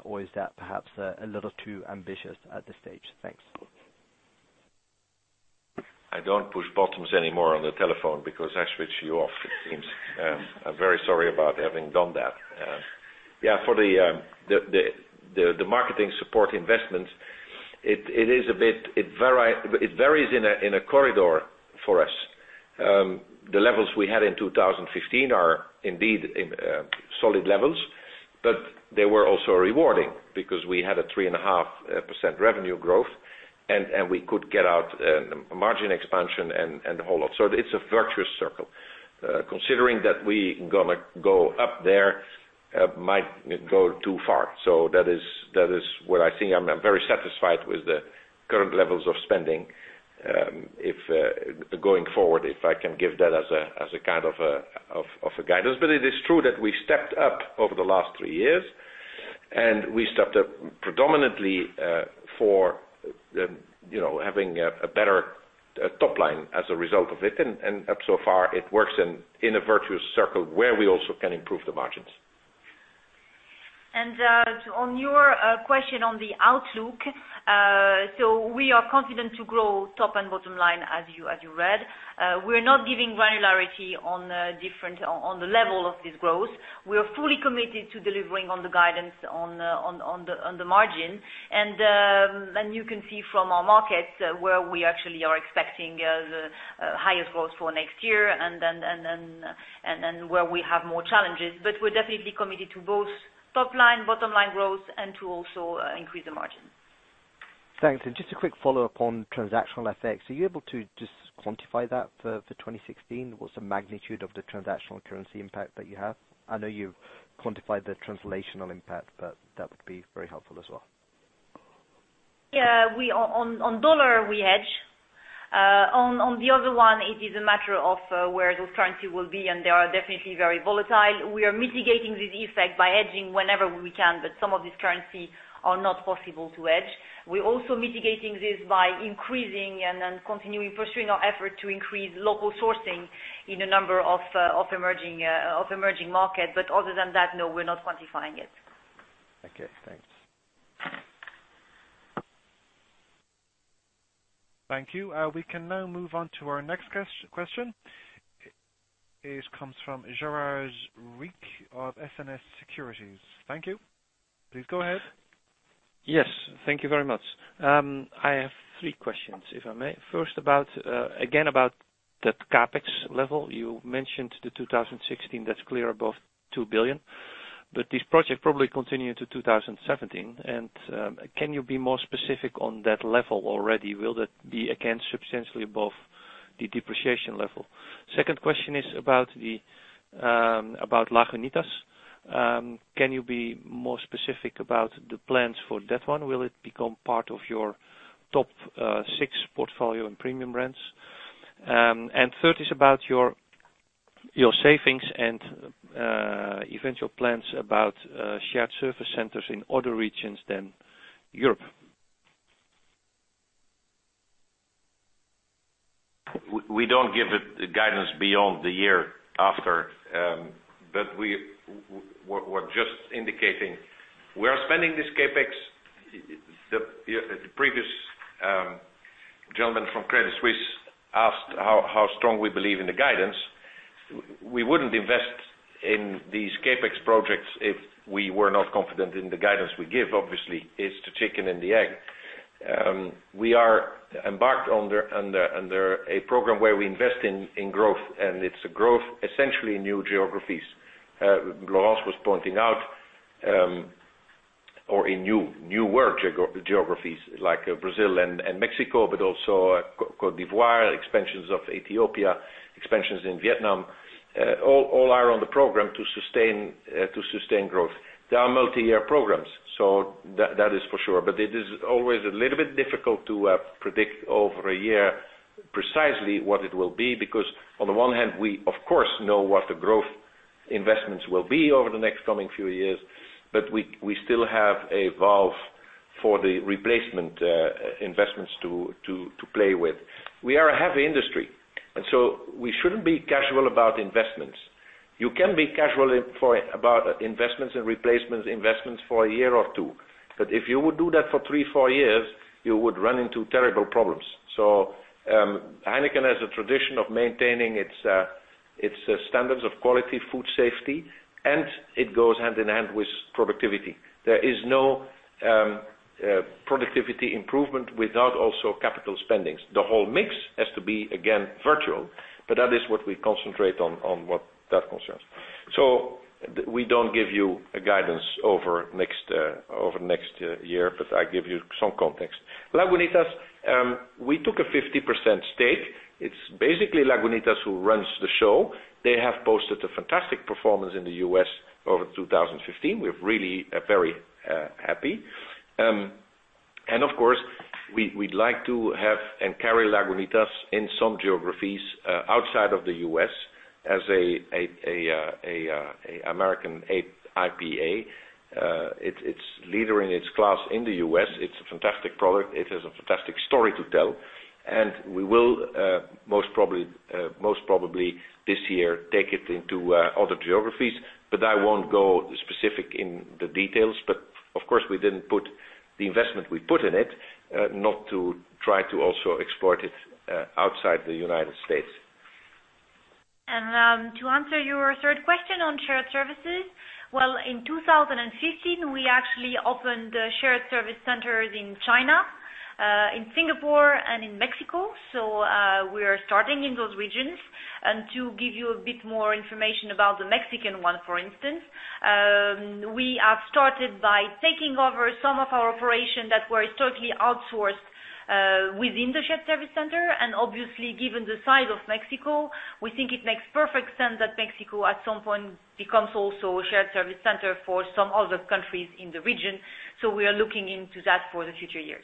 Or is that perhaps a little too ambitious at this stage? Thanks. I don't push buttons anymore on the telephone because I switch you off it seems. I'm very sorry about having done that. For the marketing support investments, it varies in a corridor for us. The levels we had in 2015 are indeed solid levels, but they were also rewarding because we had a 3.5% revenue growth, and we could get out margin expansion and the whole lot. It's a virtuous circle. Considering that we gonna go up there might go too far. That is where I think I'm very satisfied with the current levels of spending, going forward, if I can give that as a kind of a guidance. It is true that we stepped up over the last three years, and we stepped up predominantly for having a better top line as a result of it, so far it works in a virtuous circle where we also can improve the margins. On your question on the outlook, we are confident to grow top and bottom line as you read. We're not giving granularity on the level of this growth. We are fully committed to delivering on the guidance on the margin. You can see from our markets where we actually are expecting the highest growth for next year and where we have more challenges. We're definitely committed to both top line, bottom line growth and to also increase the margins. Thanks. Just a quick follow-up on transactional FX. Are you able to just quantify that for 2016? What's the magnitude of the transactional currency impact that you have? I know you've quantified the translational impact, but that would be very helpful as well. Yeah. On U.S. dollar, we hedge. On the other one, it is a matter of where those currency will be, they are definitely very volatile. We are mitigating this effect by hedging whenever we can, but some of this currency are not possible to hedge. We're also mitigating this by increasing and then continuing pursuing our effort to increase local sourcing in a number of emerging markets. Other than that, no, we're not quantifying it. Okay, thanks. Thank you. We can now move on to our next question. It comes from Gerard Rijk of SNS Securities. Thank you. Please go ahead. Yes. Thank you very much. I have three questions, if I may. Again about that CapEx level. You mentioned the 2016, that's clear above 2 billion. This project probably continue into 2017. Can you be more specific on that level already? Will that be again substantially above the depreciation level? Second question is about Lagunitas. Can you be more specific about the plans for that one? Will it become part of your top six portfolio in premium brands? Third is about your savings and eventual plans about shared service centers in other regions than Europe. We don't give guidance beyond the year after. We were just indicating we are spending this CapEx. The previous gentleman from Credit Suisse asked how strong we believe in the guidance. We wouldn't invest in these CapEx projects if we were not confident in the guidance we give, obviously. It's the chicken and the egg. We are embarked under a program where we invest in growth, it's a growth essentially in new geographies. Laurence was pointing out, or in newer geographies like Brazil and Mexico, but also Cote d'Ivoire, expansions of Ethiopia, expansions in Vietnam, all are on the program to sustain growth. They are multi-year programs. That is for sure. It is always a little bit difficult to predict over a year precisely what it will be, because on the one hand, we of course know what the growth investments will be over the next coming few years, but we still have a valve for the replacement investments to play with. We are a heavy industry, we shouldn't be casual about investments. You can be casual about investments and replacements investments for a year or two. If you would do that for three, four years, you would run into terrible problems. Heineken has a tradition of maintaining its standards of quality, food safety, and it goes hand in hand with productivity. There is no productivity improvement without also capital spendings. The whole mix has to be, again, virtual, but that is what we concentrate on what that concerns. We don't give you a guidance over next year, but I give you some context. Lagunitas, we took a 50% stake. It's basically Lagunitas who runs the show. They have posted a fantastic performance in the U.S. over 2015. We're really very happy. Of course, we'd like to have and carry Lagunitas in some geographies outside of the U.S. as a American IPA. It's leader in its class in the U.S. It's a fantastic product. It has a fantastic story to tell, we will, most probably this year, take it into other geographies. I won't go specific in the details. Of course, we didn't put the investment we put in it not to try to also export it outside the United States. To answer your third question on shared services. In 2015, we actually opened shared service centers in China, in Singapore, and in Mexico. We are starting in those regions. To give you a bit more information about the Mexican one, for instance, we have started by taking over some of our operation that were totally outsourced within the shared service center. Obviously, given the size of Mexico, we think it makes perfect sense that Mexico, at some point, becomes also a shared service center for some other countries in the region. We are looking into that for the future years.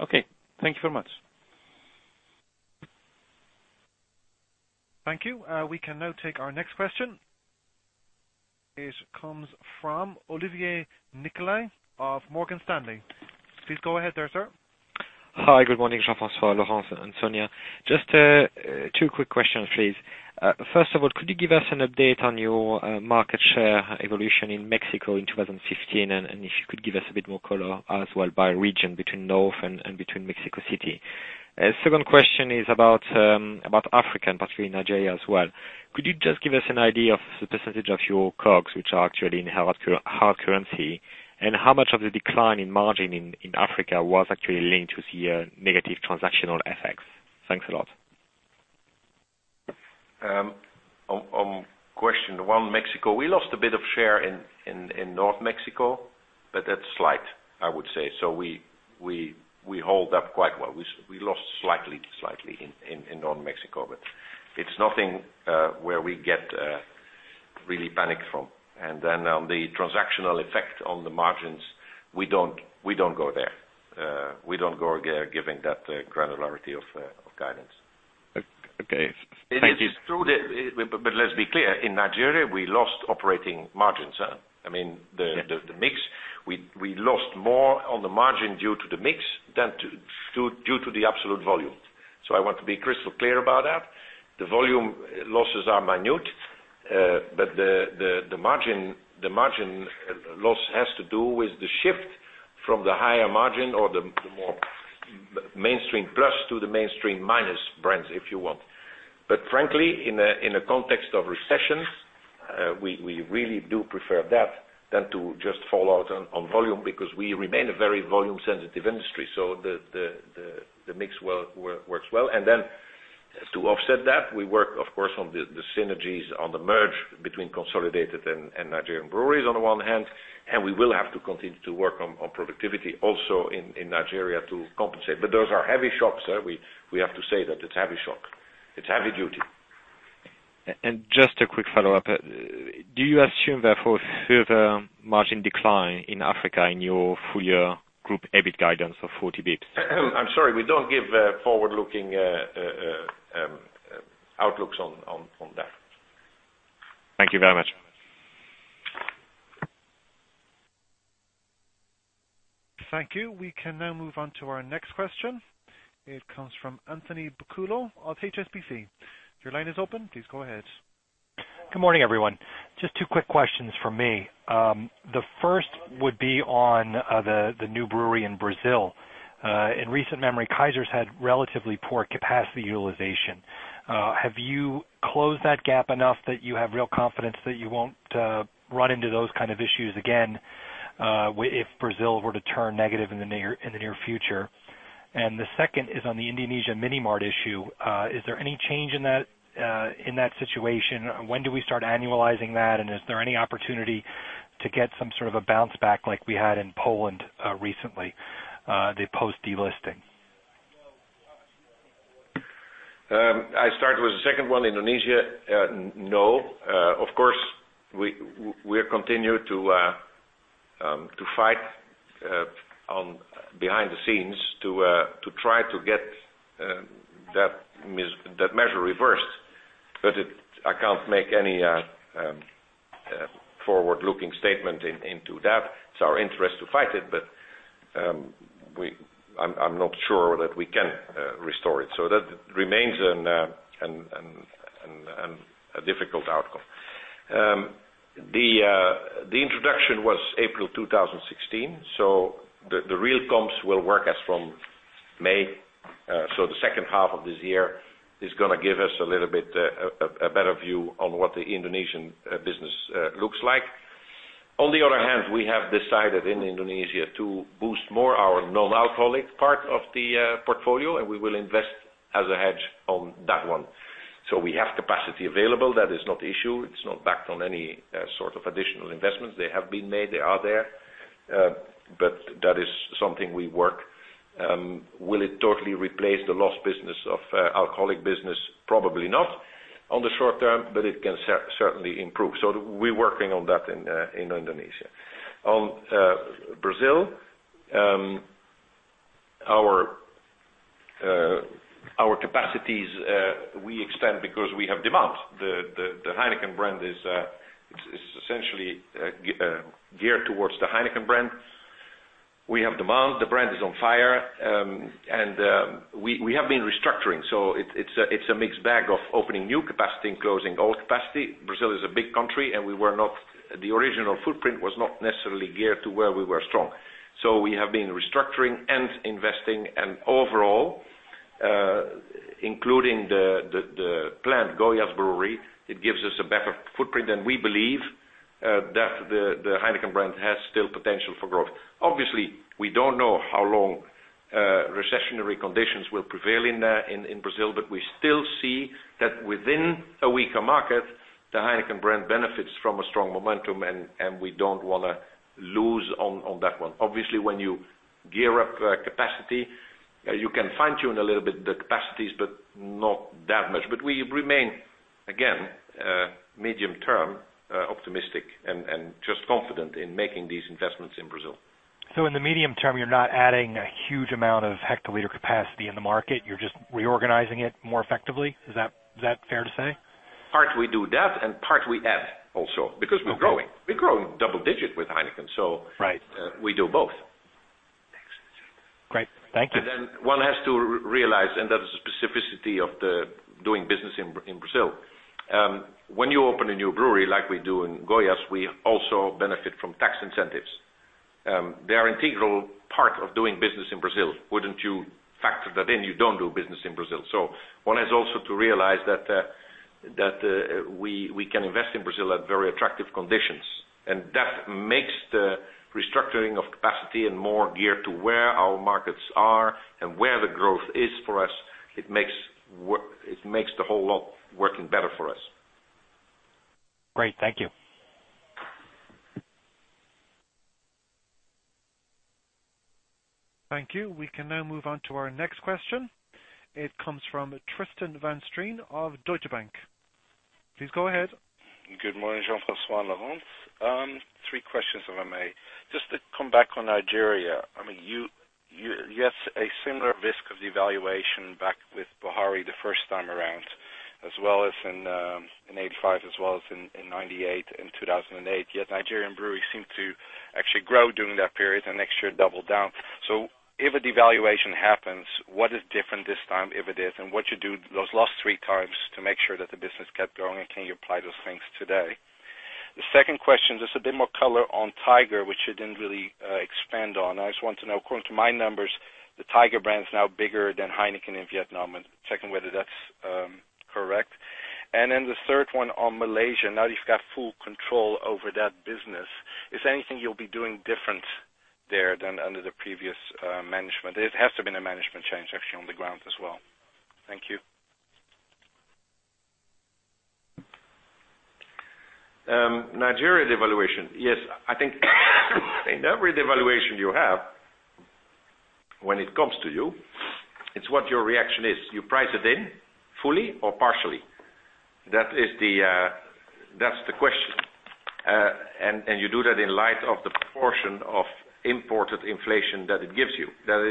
Okay. Thank you very much. Thank you. We can now take our next question. It comes from Olivier Nicolai of Morgan Stanley. Please go ahead there, sir. Hi. Good morning, Jean-François, Laurence, and Sonya. Just two quick questions, please. First of all, could you give us an update on your market share evolution in Mexico in 2015? If you could give us a bit more color as well by region between north and between Mexico City. Second question is about Africa, and particularly Nigeria as well. Could you just give us an idea of the percentage of your COGS which are actually in hard currency? How much of the decline in margin in Africa was actually linked with the negative transactional FX? Thanks a lot. On question one, Mexico, we lost a bit of share in North Mexico, but that's slight, I would say. We hold up quite well. We lost slightly in North Mexico, but it's nothing where we get really panic from. On the transactional effect on the margins, we don't go there. We don't go giving that granularity of guidance. Okay. Thank you. Let's be clear. In Nigeria, we lost operating margins. The mix, we lost more on the margin due to the mix than due to the absolute volume. I want to be crystal clear about that. The volume losses are minute, but the margin loss has to do with the shift from the higher margin or the more mainstream plus to the mainstream minus brands, if you want. Frankly, in a context of recessions, we really do prefer that than to just fall out on volume because we remain a very volume sensitive industry. The mix works well. To offset that, we work, of course, on the synergies on the merge between Consolidated Breweries and Nigerian Breweries on the one hand, and we will have to continue to work on productivity also in Nigeria to compensate. Those are heavy shocks. We have to say that it's a heavy shock. It's heavy duty. Just a quick follow-up. Do you assume, therefore, further margin decline in Africa in your full year group EBIT guidance of 40 basis points? I'm sorry. We don't give forward-looking outlooks on that. Thank you very much. Thank you. We can now move on to our next question. It comes from Anthony Akpala of HSBC. Your line is open. Please go ahead. Good morning, everyone. Just two quick questions from me. The first would be on the new brewery in Brazil. In recent memory, Kaiser's had relatively poor capacity utilization. Have you closed that gap enough that you won't run into those kind of issues again if Brazil were to turn negative in the near future? The second is on the Indonesia mini mart issue. Is there any change in that situation? When do we start annualizing that? Is there any opportunity to get some sort of a bounce back like we had in Poland recently, the post delisting? I start with the second one, Indonesia. No. Of course, we continue to fight behind the scenes to try to get that measure reversed. I can't make any forward-looking statement into that. It's our interest to fight it, but I'm not sure that we can restore it. That remains a difficult outcome. The introduction was April 2016, so the real comps will work as from May. The second half of this year is going to give us a little bit a better view on what the Indonesian business looks like. On the other hand, we have decided in Indonesia to boost more our non-alcoholic part of the portfolio, and we will invest as a hedge on that one. We have capacity available. That is not issue. It's not backed on any sort of additional investments. They have been made. They are there. That is something we work. Will it totally replace the lost business of alcoholic business? Probably not on the short term, but it can certainly improve. We're working on that in Indonesia. On Brazil, our capacities, we extend because we have demand. The Heineken brand is essentially geared towards the Heineken brand. We have demand. The brand is on fire. We have been restructuring. It's a mixed bag of opening new capacity and closing old capacity. Brazil is a big country, and the original footprint was not necessarily geared to where we were strong. We have been restructuring and investing, and overall, including the plant, Goiás Brewery, it gives us a better footprint, and we believe that the Heineken brand has still potential for growth. Obviously, we don't know how long recessionary conditions will prevail in Brazil, but we still see that within a weaker market, the Heineken brand benefits from a strong momentum, and we don't want to lose on that one. Obviously, when you gear up capacity, you can fine tune a little bit the capacities, but not that much. We remain, again, medium term, optimistic and just confident in making these investments in Brazil. In the medium term, you're not adding a huge amount of hectoliter capacity in the market. You're just reorganizing it more effectively. Is that fair to say? Part we do that, and part we add also, because we're growing. Okay. We're growing double digit with Heineken. Right. We do both. Great. Thank you. One has to realize, that is the specificity of doing business in Brazil. When you open a new brewery like we do in Goiás, we also benefit from tax incentives. They are integral part of doing business in Brazil. Wouldn't you factor that in, you don't do business in Brazil. One has also to realize that we can invest in Brazil at very attractive conditions. That makes the restructuring of capacity and more geared to where our markets are and where the growth is for us. It makes the whole lot working better for us. Great. Thank you. Thank you. We can now move on to our next question. It comes from Tristan van Strien of Deutsche Bank. Please go ahead. Good morning, Jean-François, Laurence. Three questions, if I may. Just to come back on Nigeria, you had a similar risk of devaluation back with Buhari the first time around, as well as in 1985, as well as in 1998 and 2008. Yet Nigerian Breweries seemed to actually grow during that period and next year double down. If a devaluation happens, what is different this time, if it is, and what you do those last three times to make sure that the business kept going, and can you apply those things today? The second question, just a bit more color on Tiger, which you didn't really expand on. I just want to know, according to my numbers, the Tiger brand is now bigger than Heineken in Vietnam, and checking whether that's correct. The third one on Malaysia. Now that you've got full control over that business, is there anything you'll be doing different there than under the previous management? There has to been a management change actually on the ground as well. Thank you. Nigeria devaluation. Yes. I think in every devaluation you have, when it comes to you, it's what your reaction is. You price it in fully or partially. That's the question. You do that in light of the proportion of imported inflation that it gives you. That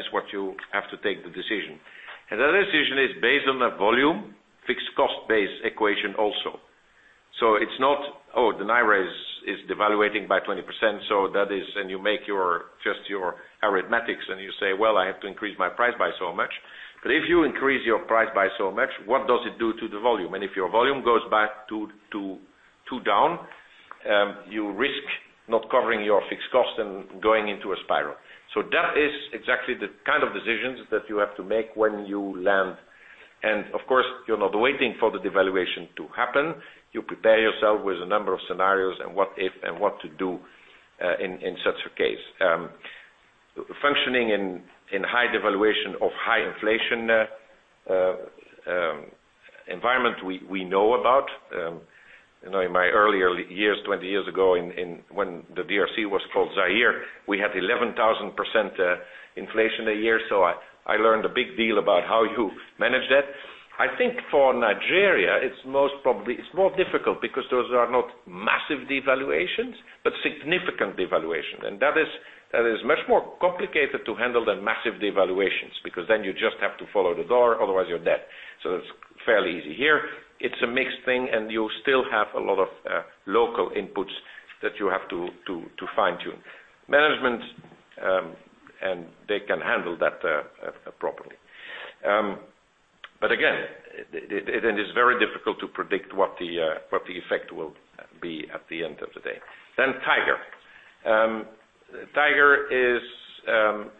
is what you have to take the decision. That decision is based on a volume, fixed cost-based equation also. It's not, "Oh, the Naira is devaluating by 20%," and you make just your arithmetics and you say, "Well, I have to increase my price by so much." If you increase your price by so much, what does it do to the volume? If your volume goes back too down, you risk not covering your fixed cost and going into a spiral. That is exactly the kind of decisions that you have to make when you land. Of course, you're not waiting for the devaluation to happen. You prepare yourself with a number of scenarios and what if, and what to do in such a case. Functioning in high devaluation of high inflation environment, we know about. In my earlier years, 20 years ago, when the DRC was called Zaire, we had 11,000% inflation a year. I learned a big deal about how you manage that. I think for Nigeria, it's more difficult because those are not massive devaluations, but significant devaluation. That is much more complicated to handle than massive devaluations, because then you just have to follow the dollar, otherwise you're dead. That's fairly easy. Here, it's a mixed thing, and you still have a lot of local inputs that you have to fine-tune. Management, they can handle that properly. Again, it is very difficult to predict what the effect will be at the end of the day. Tiger. Tiger is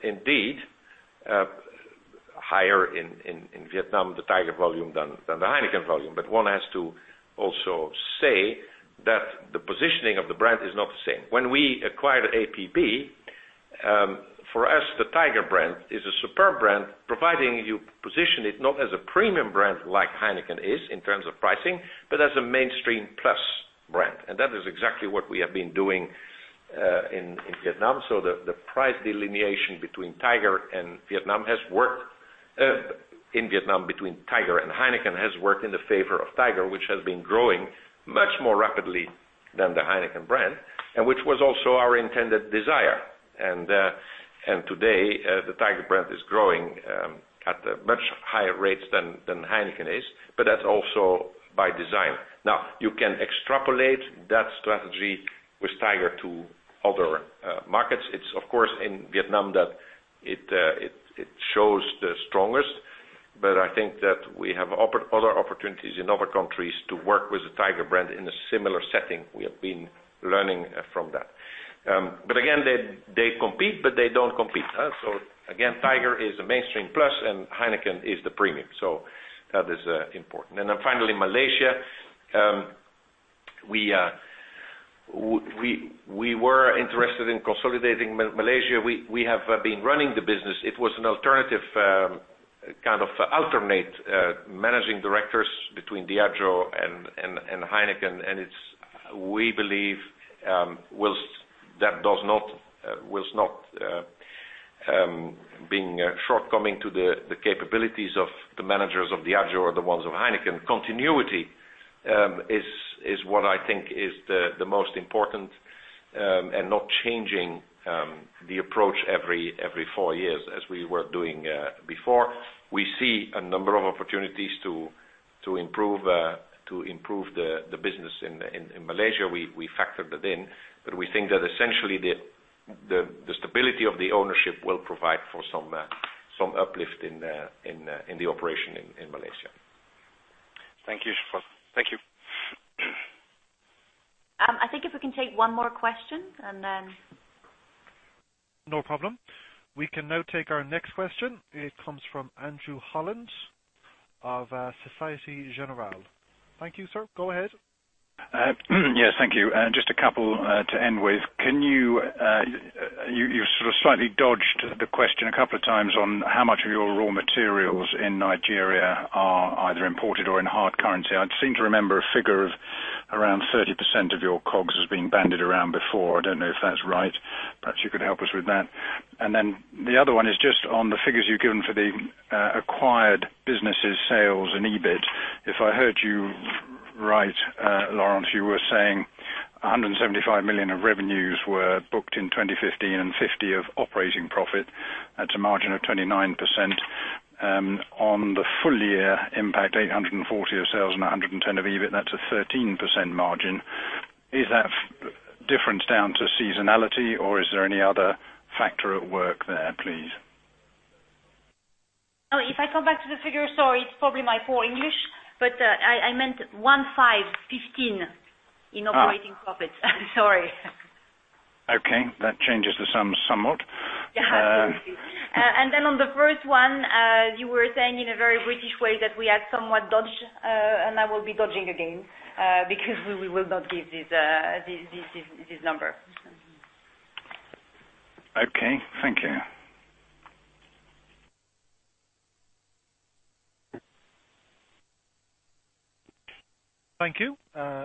indeed higher in Vietnam, the Tiger volume than the Heineken volume. One has to also say that the positioning of the brand is not the same. When we acquired APB, for us, the Tiger brand is a superb brand, providing you position it not as a premium brand like Heineken is in terms of pricing, but as a mainstream plus brand. That is exactly what we have been doing in Vietnam. The price delineation in Vietnam between Tiger and Heineken has worked in the favor of Tiger, which has been growing much more rapidly than the Heineken brand, and which was also our intended desire. Today, the Tiger brand is growing at a much higher rates than Heineken is, but that's also by design. You can extrapolate that strategy with Tiger to other markets. It's of course in Vietnam that it shows the strongest, but I think that we have other opportunities in other countries to work with the Tiger brand in a similar setting. We have been learning from that. Again, they compete, but they don't compete. Again, Tiger is a mainstream plus and Heineken is the premium. That is important. Finally, Malaysia. We were interested in consolidating Malaysia. We have been running the business. It was an alternative, kind of alternate managing directors between Diageo and Heineken. We believe that was not being shortcoming to the capabilities of the managers of Diageo or the ones of Heineken. Continuity is what I think is the most important, and not changing the approach every four years as we were doing before. We see a number of opportunities to improve the business in Malaysia. We factored that in, but we think that essentially the stability of the ownership will provide for some uplift in the operation in Malaysia. Thank you, Jean-François. Thank you. I think if we can take one more question, and then No problem. We can now take our next question. It comes from Andrew Holland of Societe Generale. Thank you, sir. Go ahead. Yes, thank you. Just a couple to end with. You sort of slightly dodged the question a couple of times on how much of your raw materials in Nigeria are either imported or in hard currency. I seem to remember a figure of around 30% of your COGS as being bandied around before. I don't know if that's right. Perhaps you could help us with that. The other one is just on the figures you've given for the acquired businesses sales and EBIT. If I heard you right, Laurence, you were saying 175 million of revenues were booked in 2015 and 50 of operating profit. That's a margin of 29%. On the full year impact, 840 of sales and 110 of EBIT, that's a 13% margin. Is that difference down to seasonality, or is there any other factor at work there, please? If I come back to the figure, sorry, it's probably my poor English, I meant one, five, 15 in operating profits. Sorry. Okay. That changes the sums somewhat. Yeah. Then on the first one, you were saying in a very British way that we had somewhat dodged, and I will be dodging again, because we will not give this number. Okay. Thank you. Thank you.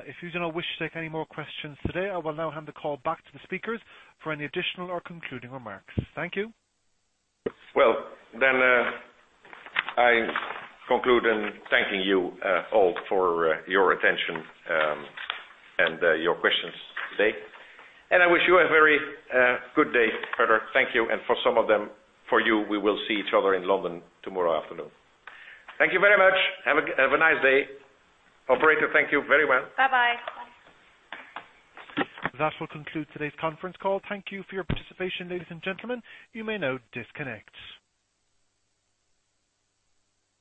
If you do not wish to take any more questions today, I will now hand the call back to the speakers for any additional or concluding remarks. Thank you. Well, I conclude in thanking you all for your attention and your questions today. I wish you a very good day further. Thank you. For some of them, for you, we will see each other in London tomorrow afternoon. Thank you very much. Have a nice day. Operator, thank you very well. Bye-bye. That will conclude today's conference call. Thank you for your participation, ladies and gentlemen. You may now disconnect.